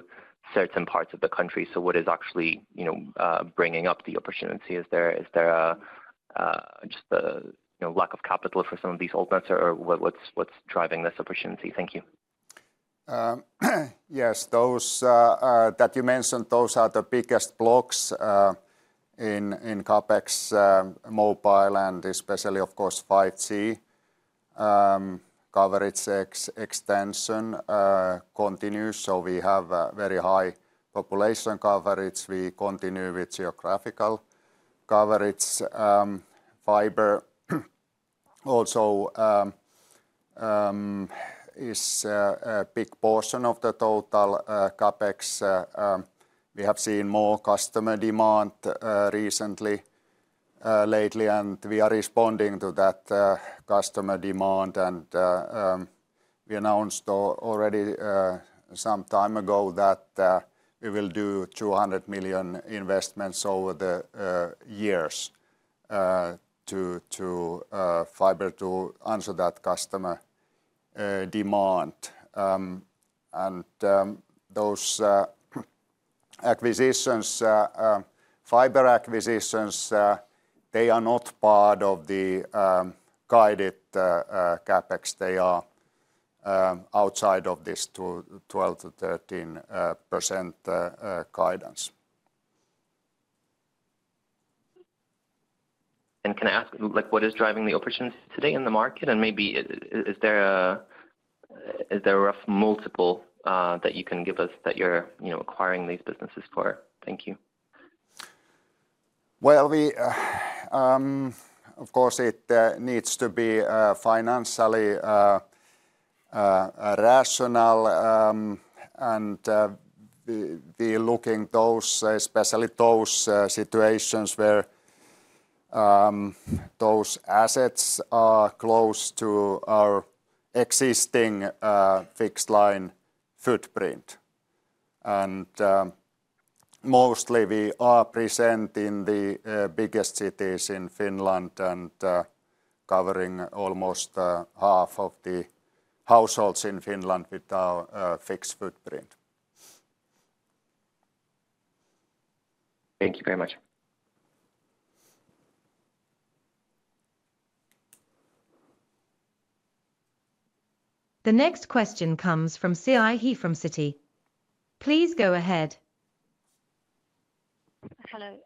certain parts of the country. So what is actually, you know, bringing up the opportunity? Is there just a, you know, lack of capital for some of these operators, or what’s driving this opportunity? Thank you. Yes, those that you mentioned, those are the biggest blocks in CapEx, mobile, and especially, of course, 5G. Coverage extension continues, so we have a very high population coverage. We continue with geographical coverage. Fiber also is a big portion of the total CapEx. We have seen more customer demand recently, lately, and we are responding to that customer demand. We announced already some time ago that we will do 200 million investments over the years to fiber to answer that customer demand. Those acquisitions, fiber acquisitions, they are not part of the guided CapEx. They are outside of this 12%-13% guidance. Can I ask, like, what is driving the opportunity today in the market? Maybe, is there a rough multiple that you can give us that you're, you know, acquiring these businesses for? Thank you. Of course, it needs to be financially rational, and we looking those, especially those situations where those assets are close to our existing fixed line footprint, and mostly we are present in the biggest cities in Finland and covering almost half of the households in Finland with our fixed footprint. Thank you very much. The next question comes from Siyi He from Citi. Please go ahead. Hello,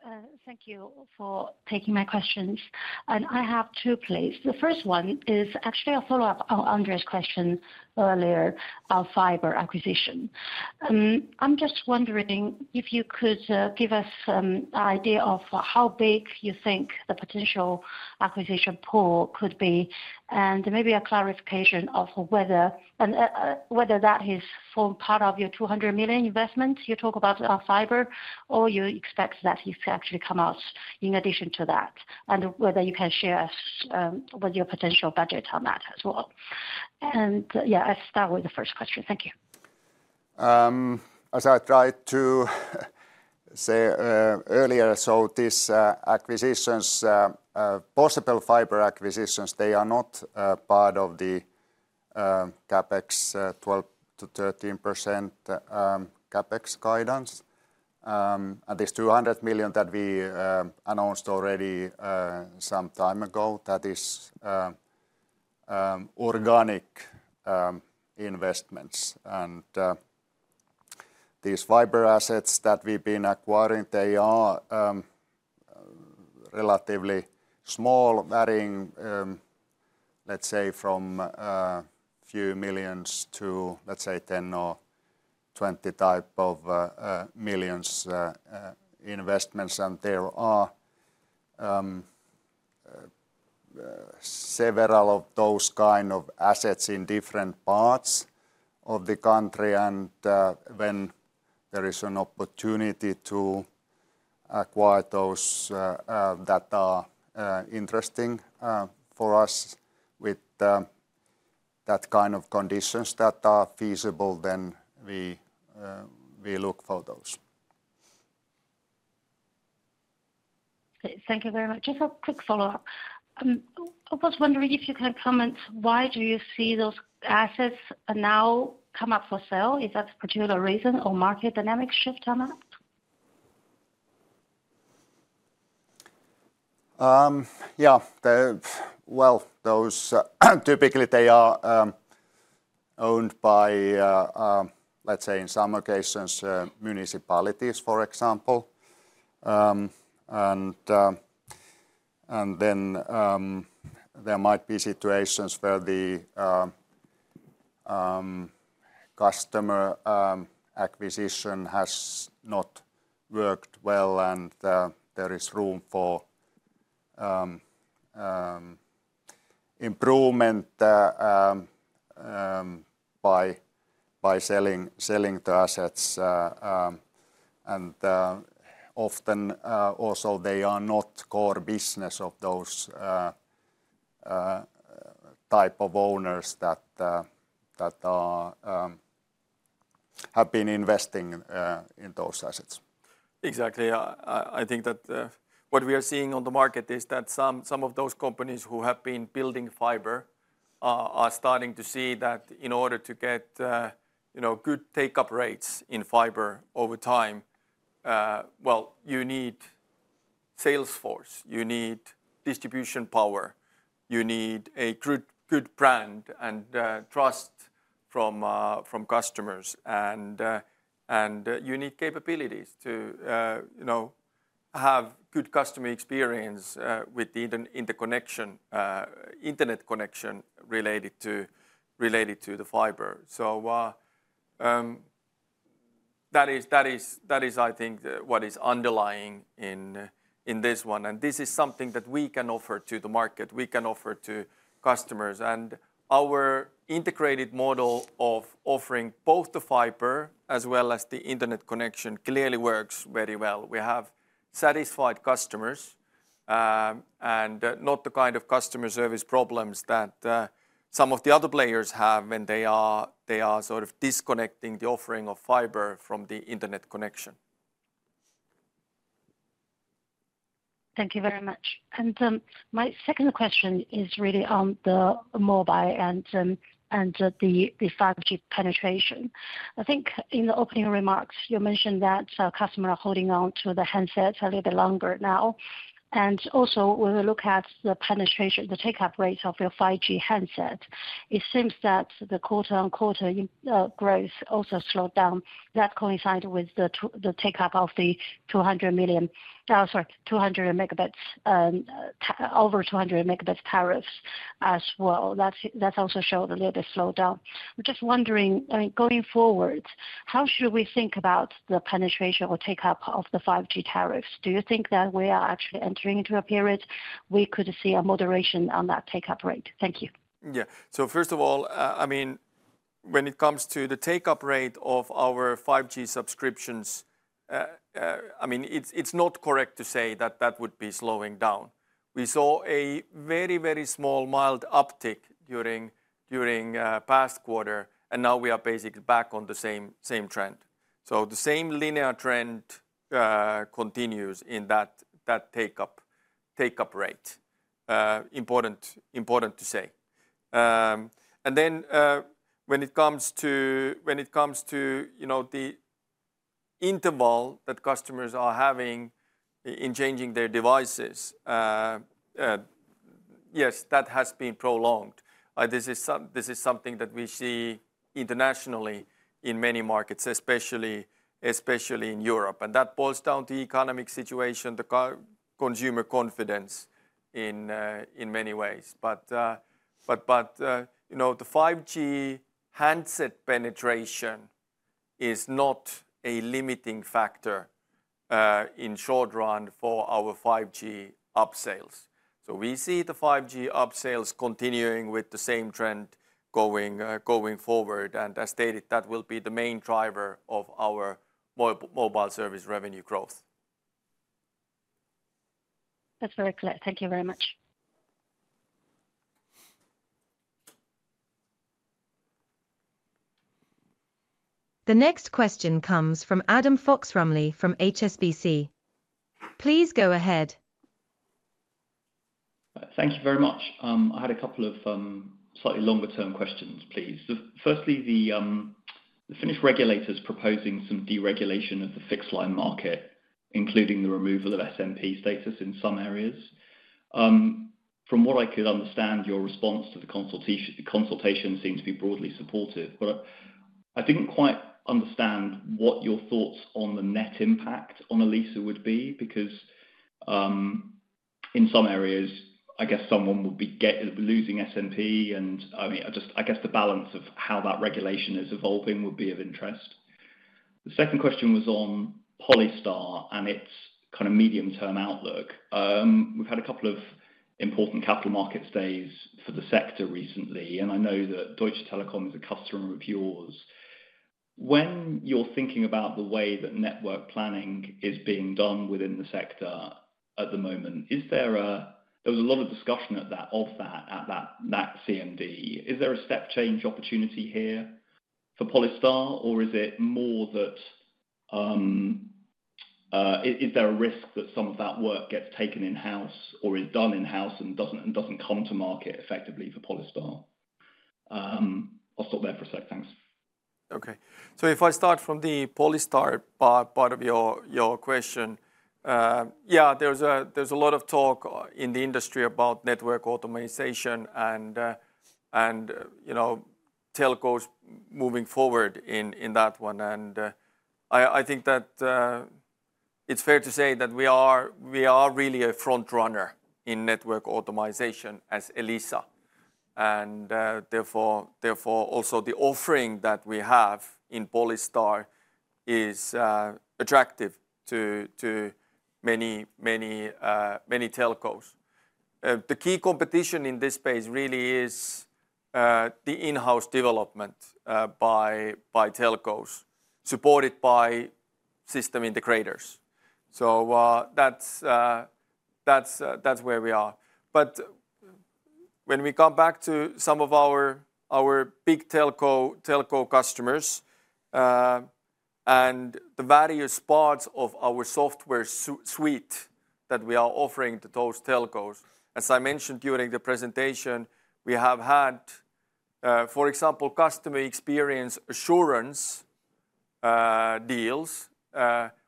thank you for taking my questions, and I have two, please. The first one is actually a follow-up on Andre's question earlier about fiber acquisition. I'm just wondering if you could give us an idea of how big you think the potential acquisition pool could be, and maybe a clarification of whether and whether that is for part of your 200 million investment you talk about on fiber, or you expect that it actually come out in addition to that, and whether you can share us what your potential budget on that as well. And yeah, I start with the first question. Thank you. As I tried to say earlier, so this acquisitions, possible fiber acquisitions, they are not part of the CapEx 12%-13% CapEx guidance. And this 200 million that we announced already some time ago, that is organic investments. And these fiber assets that we've been acquiring, they are relatively small, varying, let's say, from a few million to, let's say, 10 million or 20 million type of investments. And there are several of those kind of assets in different parts of the country, and when there is an opportunity to acquire those that are interesting for us with that kind of conditions that are feasible, then we we look for those. Thank you very much. Just a quick follow-up. I was wondering if you can comment, why do you see those assets now come up for sale? Is that a particular reason or market dynamic shift on that? Yeah, well, those typically they are owned by, let's say in some occasions, municipalities, for example. And then there might be situations where the customer acquisition has not worked well, and there is room for improvement by selling the assets. And often also they are not core business of those type of owners that have been investing in those assets. Exactly. I think that what we are seeing on the market is that some of those companies who have been building fiber are starting to see that in order to get, you know, good take-up rates in fiber over time, well, you need sales force, you need distribution power, you need a good brand, and trust from customers, and you need capabilities to, you know, have good customer experience with the internet connection related to the fiber, so that is, I think, what is underlying in this one, and this is something that we can offer to the market, we can offer to customers, and our integrated model of offering both the fiber as well as the internet connection clearly works very well. We have satisfied customers, and not the kind of customer service problems that some of the other players have when they are sort of disconnecting the offering of fiber from the internet connection. Thank you very much, and my second question is really on the mobile and the 5G penetration. I think in the opening remarks, you mentioned that customer are holding on to the handsets a little bit longer now. And also, when we look at the penetration, the take-up rates of your 5G handset, it seems that the quarter on quarter growth also slowed down. That coincided with the take-up of the 200 megabits, over 200 megabits tariffs as well. That's also showed a little bit slowdown. I'm just wondering, I mean, going forward, how should we think about the penetration or take-up of the 5G tariffs? Do you think that we are actually entering into a period we could see a moderation on that take-up rate? Thank you. Yeah. So first of all, I mean, when it comes to the take-up rate of our 5G subscriptions, I mean, it's not correct to say that that would be slowing down. We saw a very, very small mild uptick during past quarter, and now we are basically back on the same trend. So the same linear trend continues in that take-up rate. Important to say. And then, when it comes to, you know, the interval that customers are having in changing their devices, yes, that has been prolonged. This is something that we see internationally in many markets, especially in Europe, and that boils down to economic situation, the consumer confidence in many ways. But you know, the 5G handset penetration is not a limiting factor in short run for our 5G upselling. So we see the 5G upselling continuing with the same trend going forward. And as stated, that will be the main driver of our mobile service revenue growth. That's very clear. Thank you very much. The next question comes from Adam Fox-Rumley from HSBC. Please go ahead. Thank you very much. I had a couple of slightly longer term questions, please. So firstly, the Finnish regulators proposing some deregulation of the fixed line market, including the removal of SMP status in some areas. From what I could understand, your response to the consultation seems to be broadly supportive, but I didn't quite understand what your thoughts on the net impact on Elisa would be. Because in some areas, I guess someone would be losing SMP, and I mean, I just, I guess the balance of how that regulation is evolving would be of interest. The second question was on Polystar and its kind of medium-term outlook. We've had a couple of important capital market days for the sector recently, and I know that Deutsche Telekom is a customer of yours. When you're thinking about the way that network planning is being done within the sector at the moment, there was a lot of discussion at that CMD. Is there a step change opportunity here for Polystar, or is it more that, is there a risk that some of that work gets taken in-house or is done in-house and doesn't come to market effectively for Polystar? I'll stop there for a sec. Thanks. Okay. So if I start from the Polystar part of your question, yeah, there's a lot of talk in the industry about network automation and, and, you know, telcos moving forward in that one. And, I think that, it's fair to say that we are really a front runner in network automation as Elisa, and, therefore, also the offering that we have in Polystar is attractive to many telcos. The key competition in this space really is the in-house development by telcos, supported by system integrators. So, that's where we are. But when we come back to some of our big telco customers and the various parts of our software suite that we are offering to those telcos, as I mentioned during the presentation, we have had, for example, customer experience assurance deals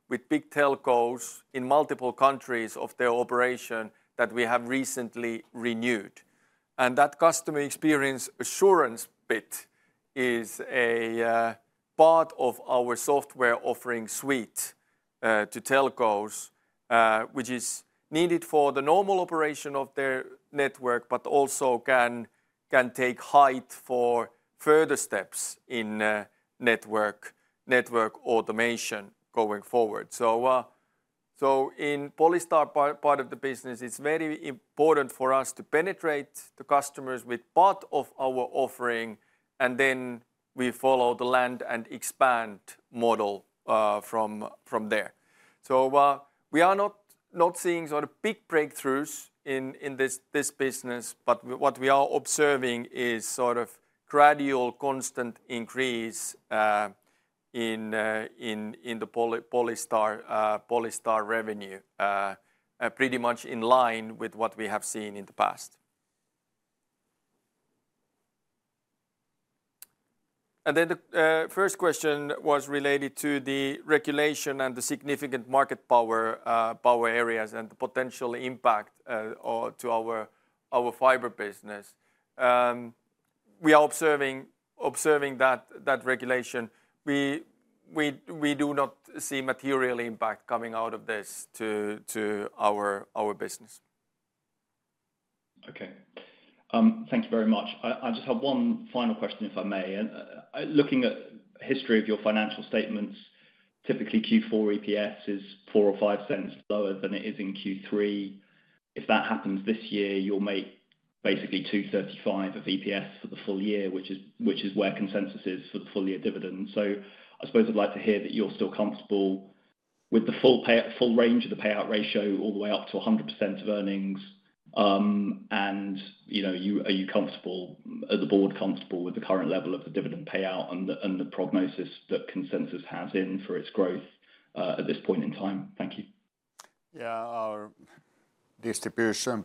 with big telcos in multiple countries of their operation that we have recently renewed. And that customer experience assurance bit is a part of our software offering suite to telcos, which is needed for the normal operation of their network, but also can take height for further steps in network automation going forward. So, in Polystar part of the business, it is very important for us to penetrate the customers with part of our offering, and then we follow the land and expand model from there. So, we are not seeing sort of big breakthroughs in this business, but what we are observing is sort of gradual, constant increase in the Polystar revenue, pretty much in line with what we have seen in the past. And then the first question was related to the regulation and the significant market power areas and the potential impact or to our fiber business. We are observing that regulation. We do not see material impact coming out of this to our business. Okay. Thank you very much. I just have one final question, if I may. Looking at history of your financial statements, typically, Q4 EPS is 0.04 or 0.05 EUR lower than it is in Q3. If that happens this year, you'll make basically 2.35 of EPS for the full year, which is where consensus is for the full year dividend. So I suppose I'd like to hear that you're still comfortable with the full range of the payout ratio all the way up to 100% of earnings. You know, are you comfortable, is the board comfortable with the current level of the dividend payout and the prognosis that consensus has in for its growth at this point in time? Thank you. Yeah. Our distribution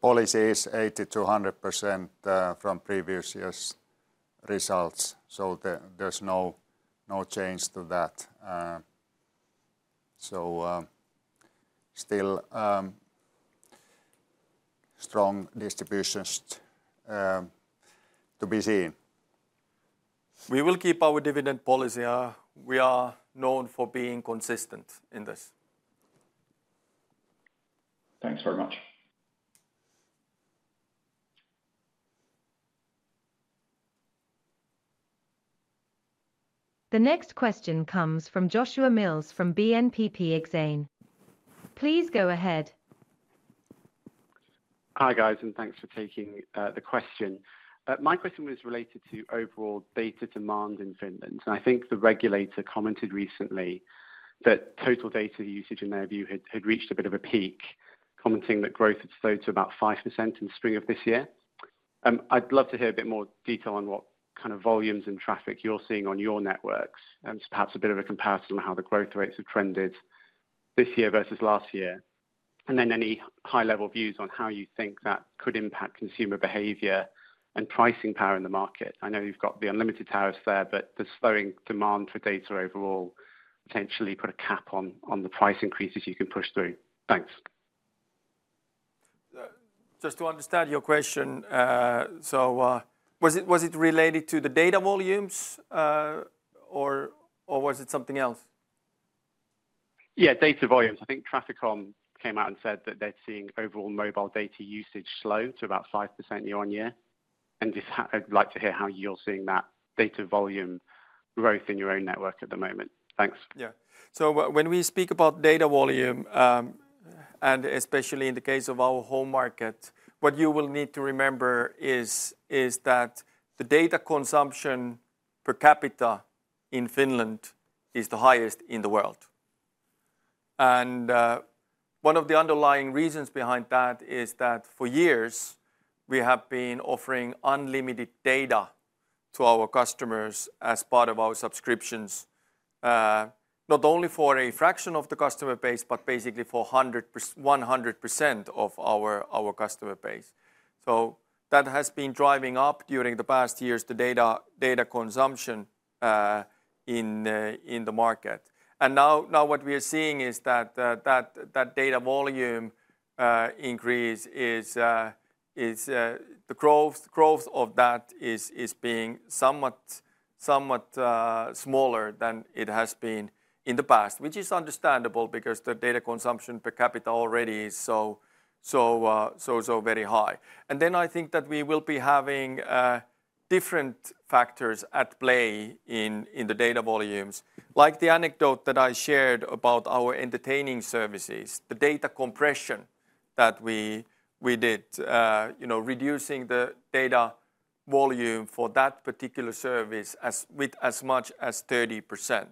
policy is 80%-100% from previous year's results, so there's no change to that. So still strong distributions to be seen. We will keep our dividend policy. We are known for being consistent in this. Thanks very much. The next question comes from Joshua Mills, from BNPP Exane. Please go ahead. Hi, guys, and thanks for taking the question. My question was related to overall data demand in Finland. I think the regulator commented recently that total data usage, in their view, had reached a bit of a peak, commenting that growth had slowed to about 5% in spring of this year. I'd love to hear a bit more detail on what kind of volumes and traffic you're seeing on your networks, and perhaps a bit of a comparison on how the growth rates have trended this year versus last year. Any high-level views on how you think that could impact consumer behavior and pricing power in the market. I know you've got the unlimited tariffs there, but the slowing demand for data overall potentially put a cap on the price increases you can push through. Thanks. Just to understand your question, so was it related to the data volumes, or was it something else?... Yeah, data volumes. I think Traficom came out and said that they're seeing overall mobile data usage slow to about 5% year-on-year, and I'd like to hear how you're seeing that data volume growth in your own network at the moment. Thanks. Yeah. So when we speak about data volume, and especially in the case of our home market, what you will need to remember is that the data consumption per capita in Finland is the highest in the world. And one of the underlying reasons behind that is that for years we have been offering unlimited data to our customers as part of our subscriptions, not only for a fraction of the customer base, but basically for 100% of our customer base. So that has been driving up during the past years, the data consumption in the market. And now what we are seeing is that the data volume increase is the growth of that is being somewhat smaller than it has been in the past. Which is understandable because the data consumption per capita already is so very high. And then I think that we will be having different factors at play in the data volumes. Like the anecdote that I shared about our entertaining services, the data compression that we did, you know, reducing the data volume for that particular service with as much as 30%.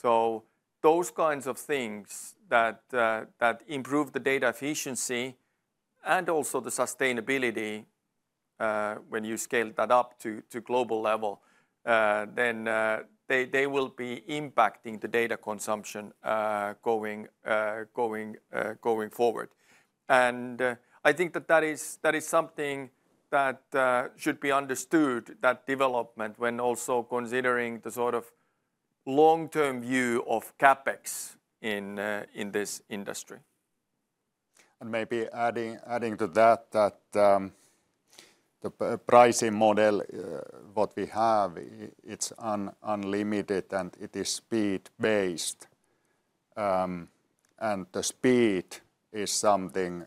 So those kinds of things that improve the data efficiency and also the sustainability, when you scale that up to global level, then they will be impacting the data consumption going forward. And I think that is something that should be understood, that development, when also considering the sort of long-term view of CapEx in this industry. And maybe adding to that, the pricing model what we have, it's unlimited, and it is speed-based. And the speed is something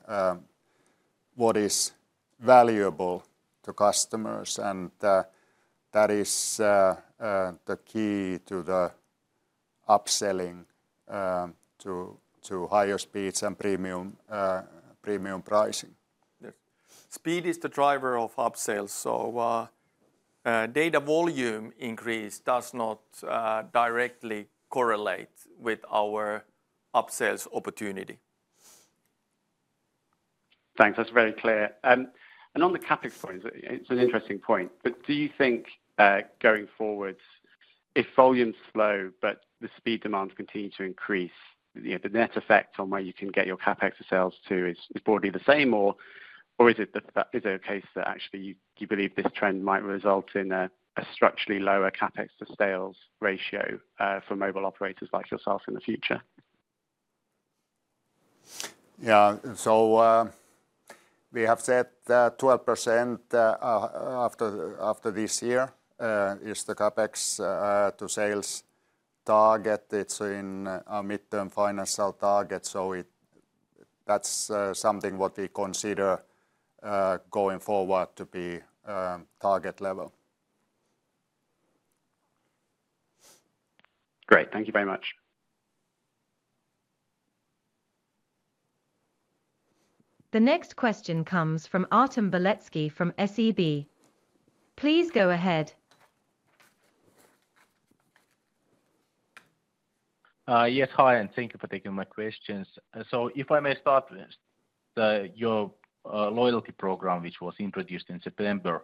what is valuable to customers, and that is the key to the upselling to higher speeds and premium pricing. Yes. Speed is the driver of upsales. So, data volume increase does not directly correlate with our upsales opportunity. Thanks. That's very clear, and on the CapEx point, it's an interesting point, but do you think, going forward, if volumes slow, but the speed demands continue to increase, the net effect on where you can get your CapEx to sales is broadly the same? Or, is it a case that actually you believe this trend might result in a structurally lower CapEx to sales ratio for mobile operators like yourselves in the future? We have said that 12%, after this year, is the CapEx to sales target. It's in our midterm financial target, so it... That's something what we consider going forward to be target level. Great. Thank you very much. The next question comes from Artem Beletsky from SEB. Please go ahead. Yes, hi, and thank you for taking my questions. So if I may start with your loyalty program, which was introduced in September.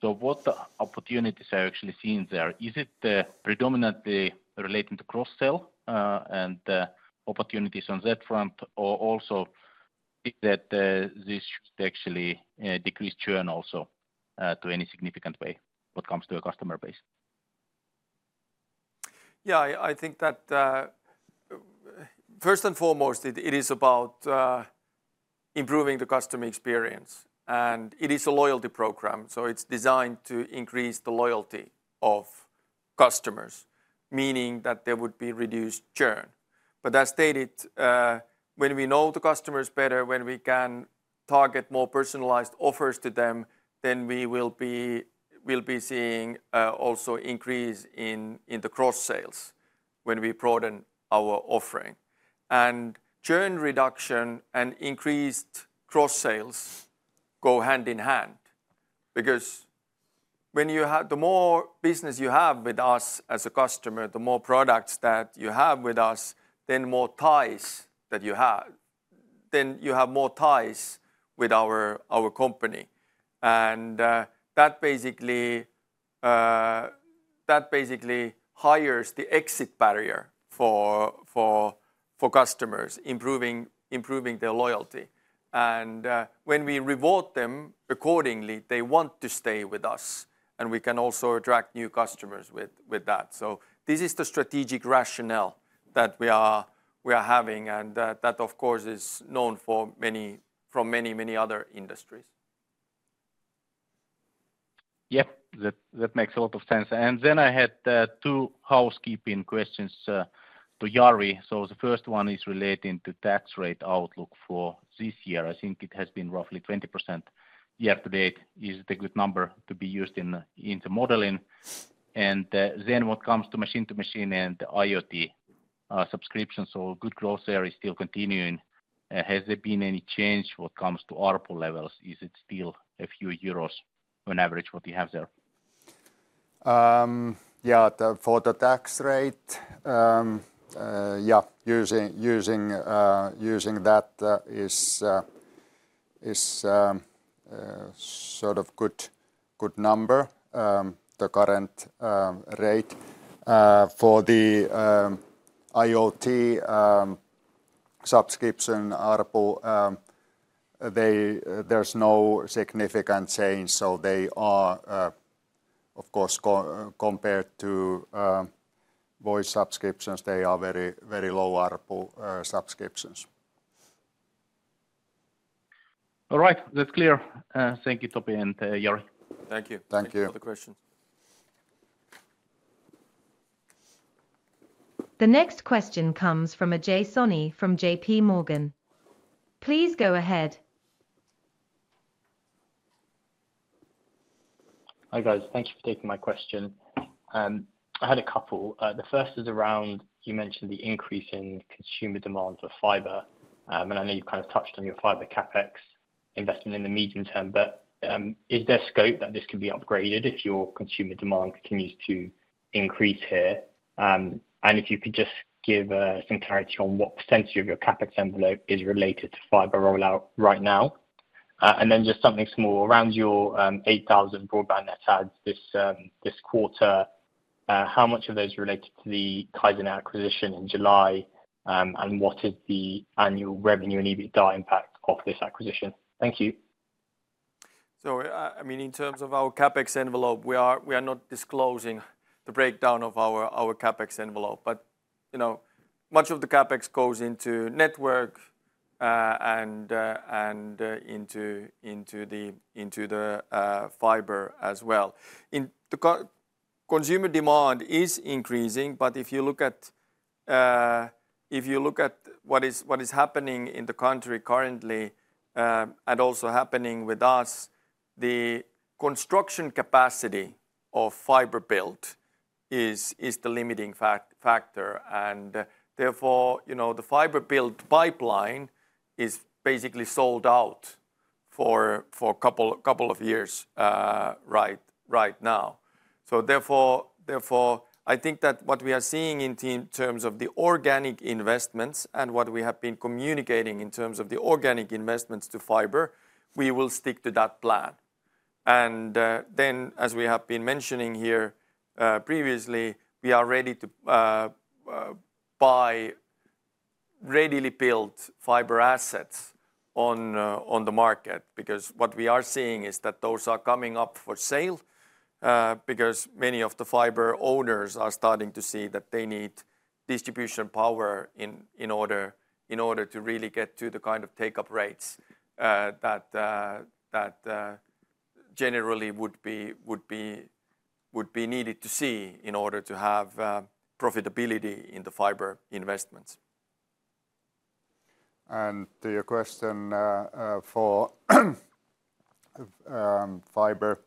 So what opportunities are you actually seeing there? Is it predominantly relating to cross-sell and opportunities on that front, or also think that this actually decrease churn also to any significant way what comes to your customer base? Yeah, I think that first and foremost, it is about improving the customer experience. And it is a loyalty program, so it's designed to increase the loyalty of customers, meaning that there would be reduced churn. But as stated, when we know the customers better, when we can target more personalized offers to them, then we'll be seeing also increase in the cross-sales when we broaden our offering. And churn reduction and increased cross-sales go hand in hand because the more business you have with us as a customer, the more products that you have with us, then more ties that you have. Then you have more ties with our company, and that basically raises the exit barrier for customers, improving their loyalty. When we reward them accordingly, they want to stay with us, and we can also attract new customers with that. So this is the strategic rationale that we are having, and that, of course, is known from many, many other industries. ... Yep, that makes a lot of sense. And then I had two housekeeping questions to Jari. So the first one is relating to tax rate outlook for this year. I think it has been roughly 20% year to date. Is it a good number to be used in the modeling? And then when it comes to machine to machine and IoT subscriptions, so good growth there is still continuing. Has there been any change when it comes to ARPU levels? Is it still a few euros on average, what you have there? Yeah, for the tax rate, using that is sort of good number, the current rate. For the IoT subscription ARPU, there's no significant change. So they are, of course, compared to voice subscriptions, they are very, very low ARPU subscriptions. All right. That's clear. Thank you, Topi and Jari. Thank you. Thank you. Thank you for the question. The next question comes from Ajay Soni from J.P. Morgan. Please go ahead. Hi, guys. Thank you for taking my question. I had a couple. The first is around, you mentioned the increase in consumer demand for fiber. And I know you've kind of touched on your fiber CapEx investment in the medium term, but, is there scope that this could be upgraded if your consumer demand continues to increase here? And if you could just give some clarity on what percentage of your CapEx envelope is related to fiber rollout right now. And then just something small, around your 8,000 broadband net adds this quarter, how much of those are related to the Kaizernet acquisition in July? And what is the annual revenue and EBITDA impact of this acquisition? Thank you. So, I mean, in terms of our CapEx envelope, we are not disclosing the breakdown of our CapEx envelope. But, you know, much of the CapEx goes into network, and into the fiber as well. Consumer demand is increasing, but if you look at what is happening in the country currently, and also happening with us, the construction capacity of fiber build is the limiting factor. And therefore, you know, the fiber build pipeline is basically sold out for a couple of years, right now. So therefore, I think that what we are seeing in terms of the organic investments and what we have been communicating in terms of the organic investments to fiber, we will stick to that plan. And then, as we have been mentioning here previously, we are ready to buy readily built fiber assets on the market. Because what we are seeing is that those are coming up for sale, because many of the fiber owners are starting to see that they need distribution power in order to really get to the kind of take-up rates that generally would be needed to see in order to have profitability in the fiber investments. To your question for fiber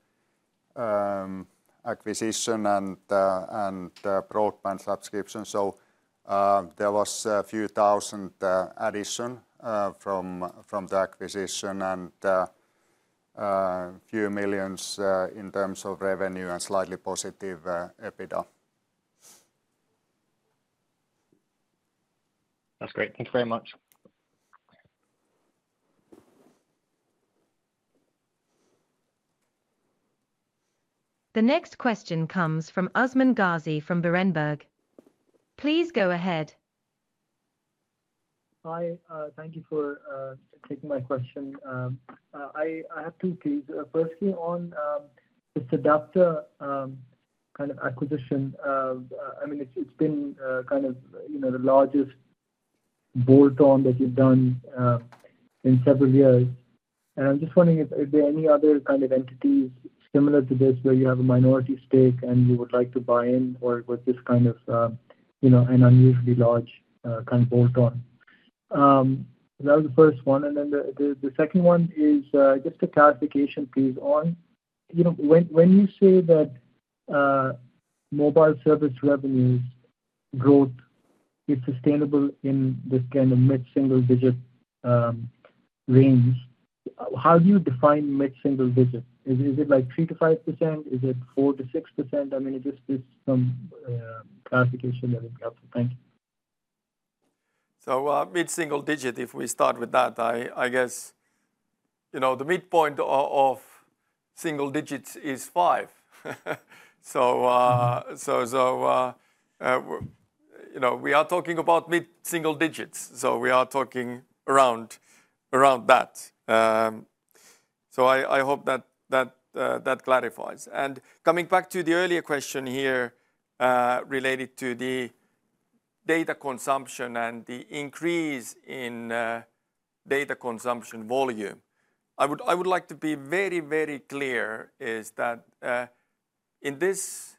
acquisition and broadband subscription. So, there was a few thousand addition from the acquisition and few millions in terms of revenue and slightly positive EBITDA. That's great. Thank you very much. The next question comes from Usman Gazi from Berenberg. Please go ahead. Hi, thank you for taking my question. I have two, please. Firstly, on the SedApta kind of acquisition. I mean, it's been kind of, you know, the largest bolt-on that you've done in several years. And I'm just wondering if, is there any other kind of entities similar to this, where you have a minority stake and you would like to buy in, or was this kind of, you know, an unusually large kind of bolt-on? That was the first one, and then the second one is just a clarification, please, on... You know, when you say that mobile service revenues growth is sustainable in this kind of mid-single digit range, how do you define mid-single digit? Is it like 3%-5%? Is it 4%-6%? I mean, just some clarification that would be helpful. Thank you. So, mid-single digit, if we start with that, I guess, you know, the midpoint of single digits is five. So, you know, we are talking about mid-single digits, so we are talking around that. So I hope that clarifies. And coming back to the earlier question here, related to the data consumption and the increase in data consumption volume. I would like to be very clear, that in this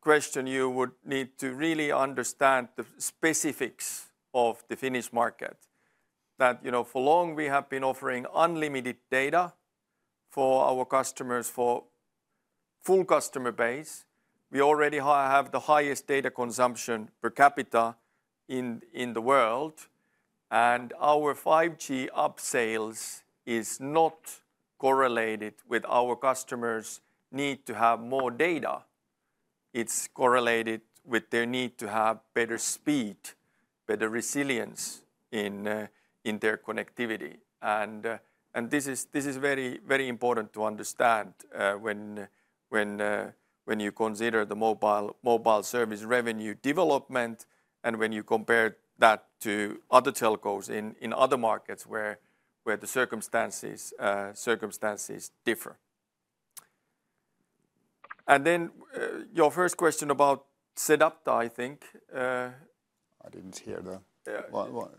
question, you would need to really understand the specifics of the Finnish market. That, you know, for long we have been offering unlimited data for our customers, for full customer base. We already have the highest data consumption per capita in the world, and our 5G upselling is not correlated with our customers' need to have more data. It's correlated with their need to have better speed, better resilience in their connectivity. And this is very important to understand when you consider the mobile service revenue development and when you compare that to other telcos in other markets where the circumstances differ. And then your first question about SedApta, I think. I didn't hear the- Yeah. What, what?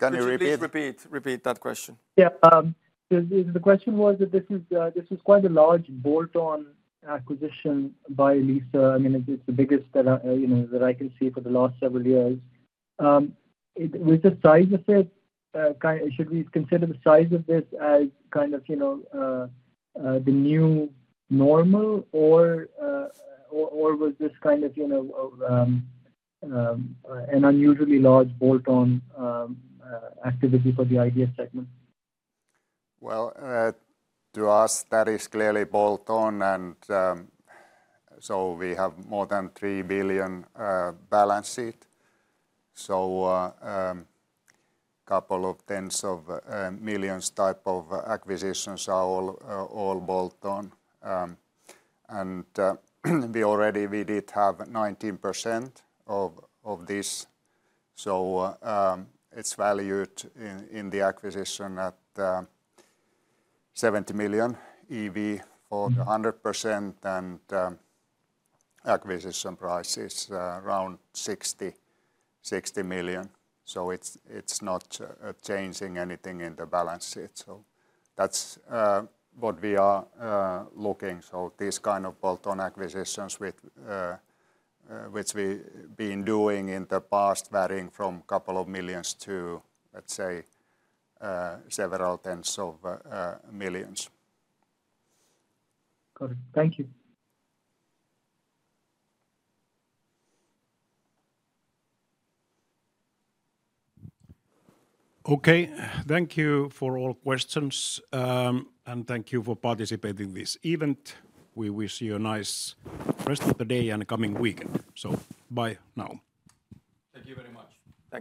Can you repeat? Could you please repeat, repeat that question? Yeah, the question was that this is quite a large bolt-on acquisition by Elisa. I mean, it's the biggest that I you know can see for the last several years. With the size of it, should we consider the size of this as kind of you know the new normal? Or was this kind of you know an unusually large bolt-on activity for the ideas segment? To us, that is clearly bolt-on, and so we have more than three billion balance sheet. So, a couple of tens of millions type of acquisitions are all bolt-on. And we already... We did have 19% of this, so it's valued in the acquisition at 70 million EV... for the 100%, and acquisition price is around 60 million. So it's not changing anything in the balance sheet. So that's what we are looking. So this kind of bolt-on acquisitions with which we've been doing in the past, varying from couple of millions to, let's say, several tens of millions. Got it. Thank you. Okay, thank you for all questions. And thank you for participating in this event. We wish you a nice rest of the day and a coming weekend. So bye now. Thank you very much.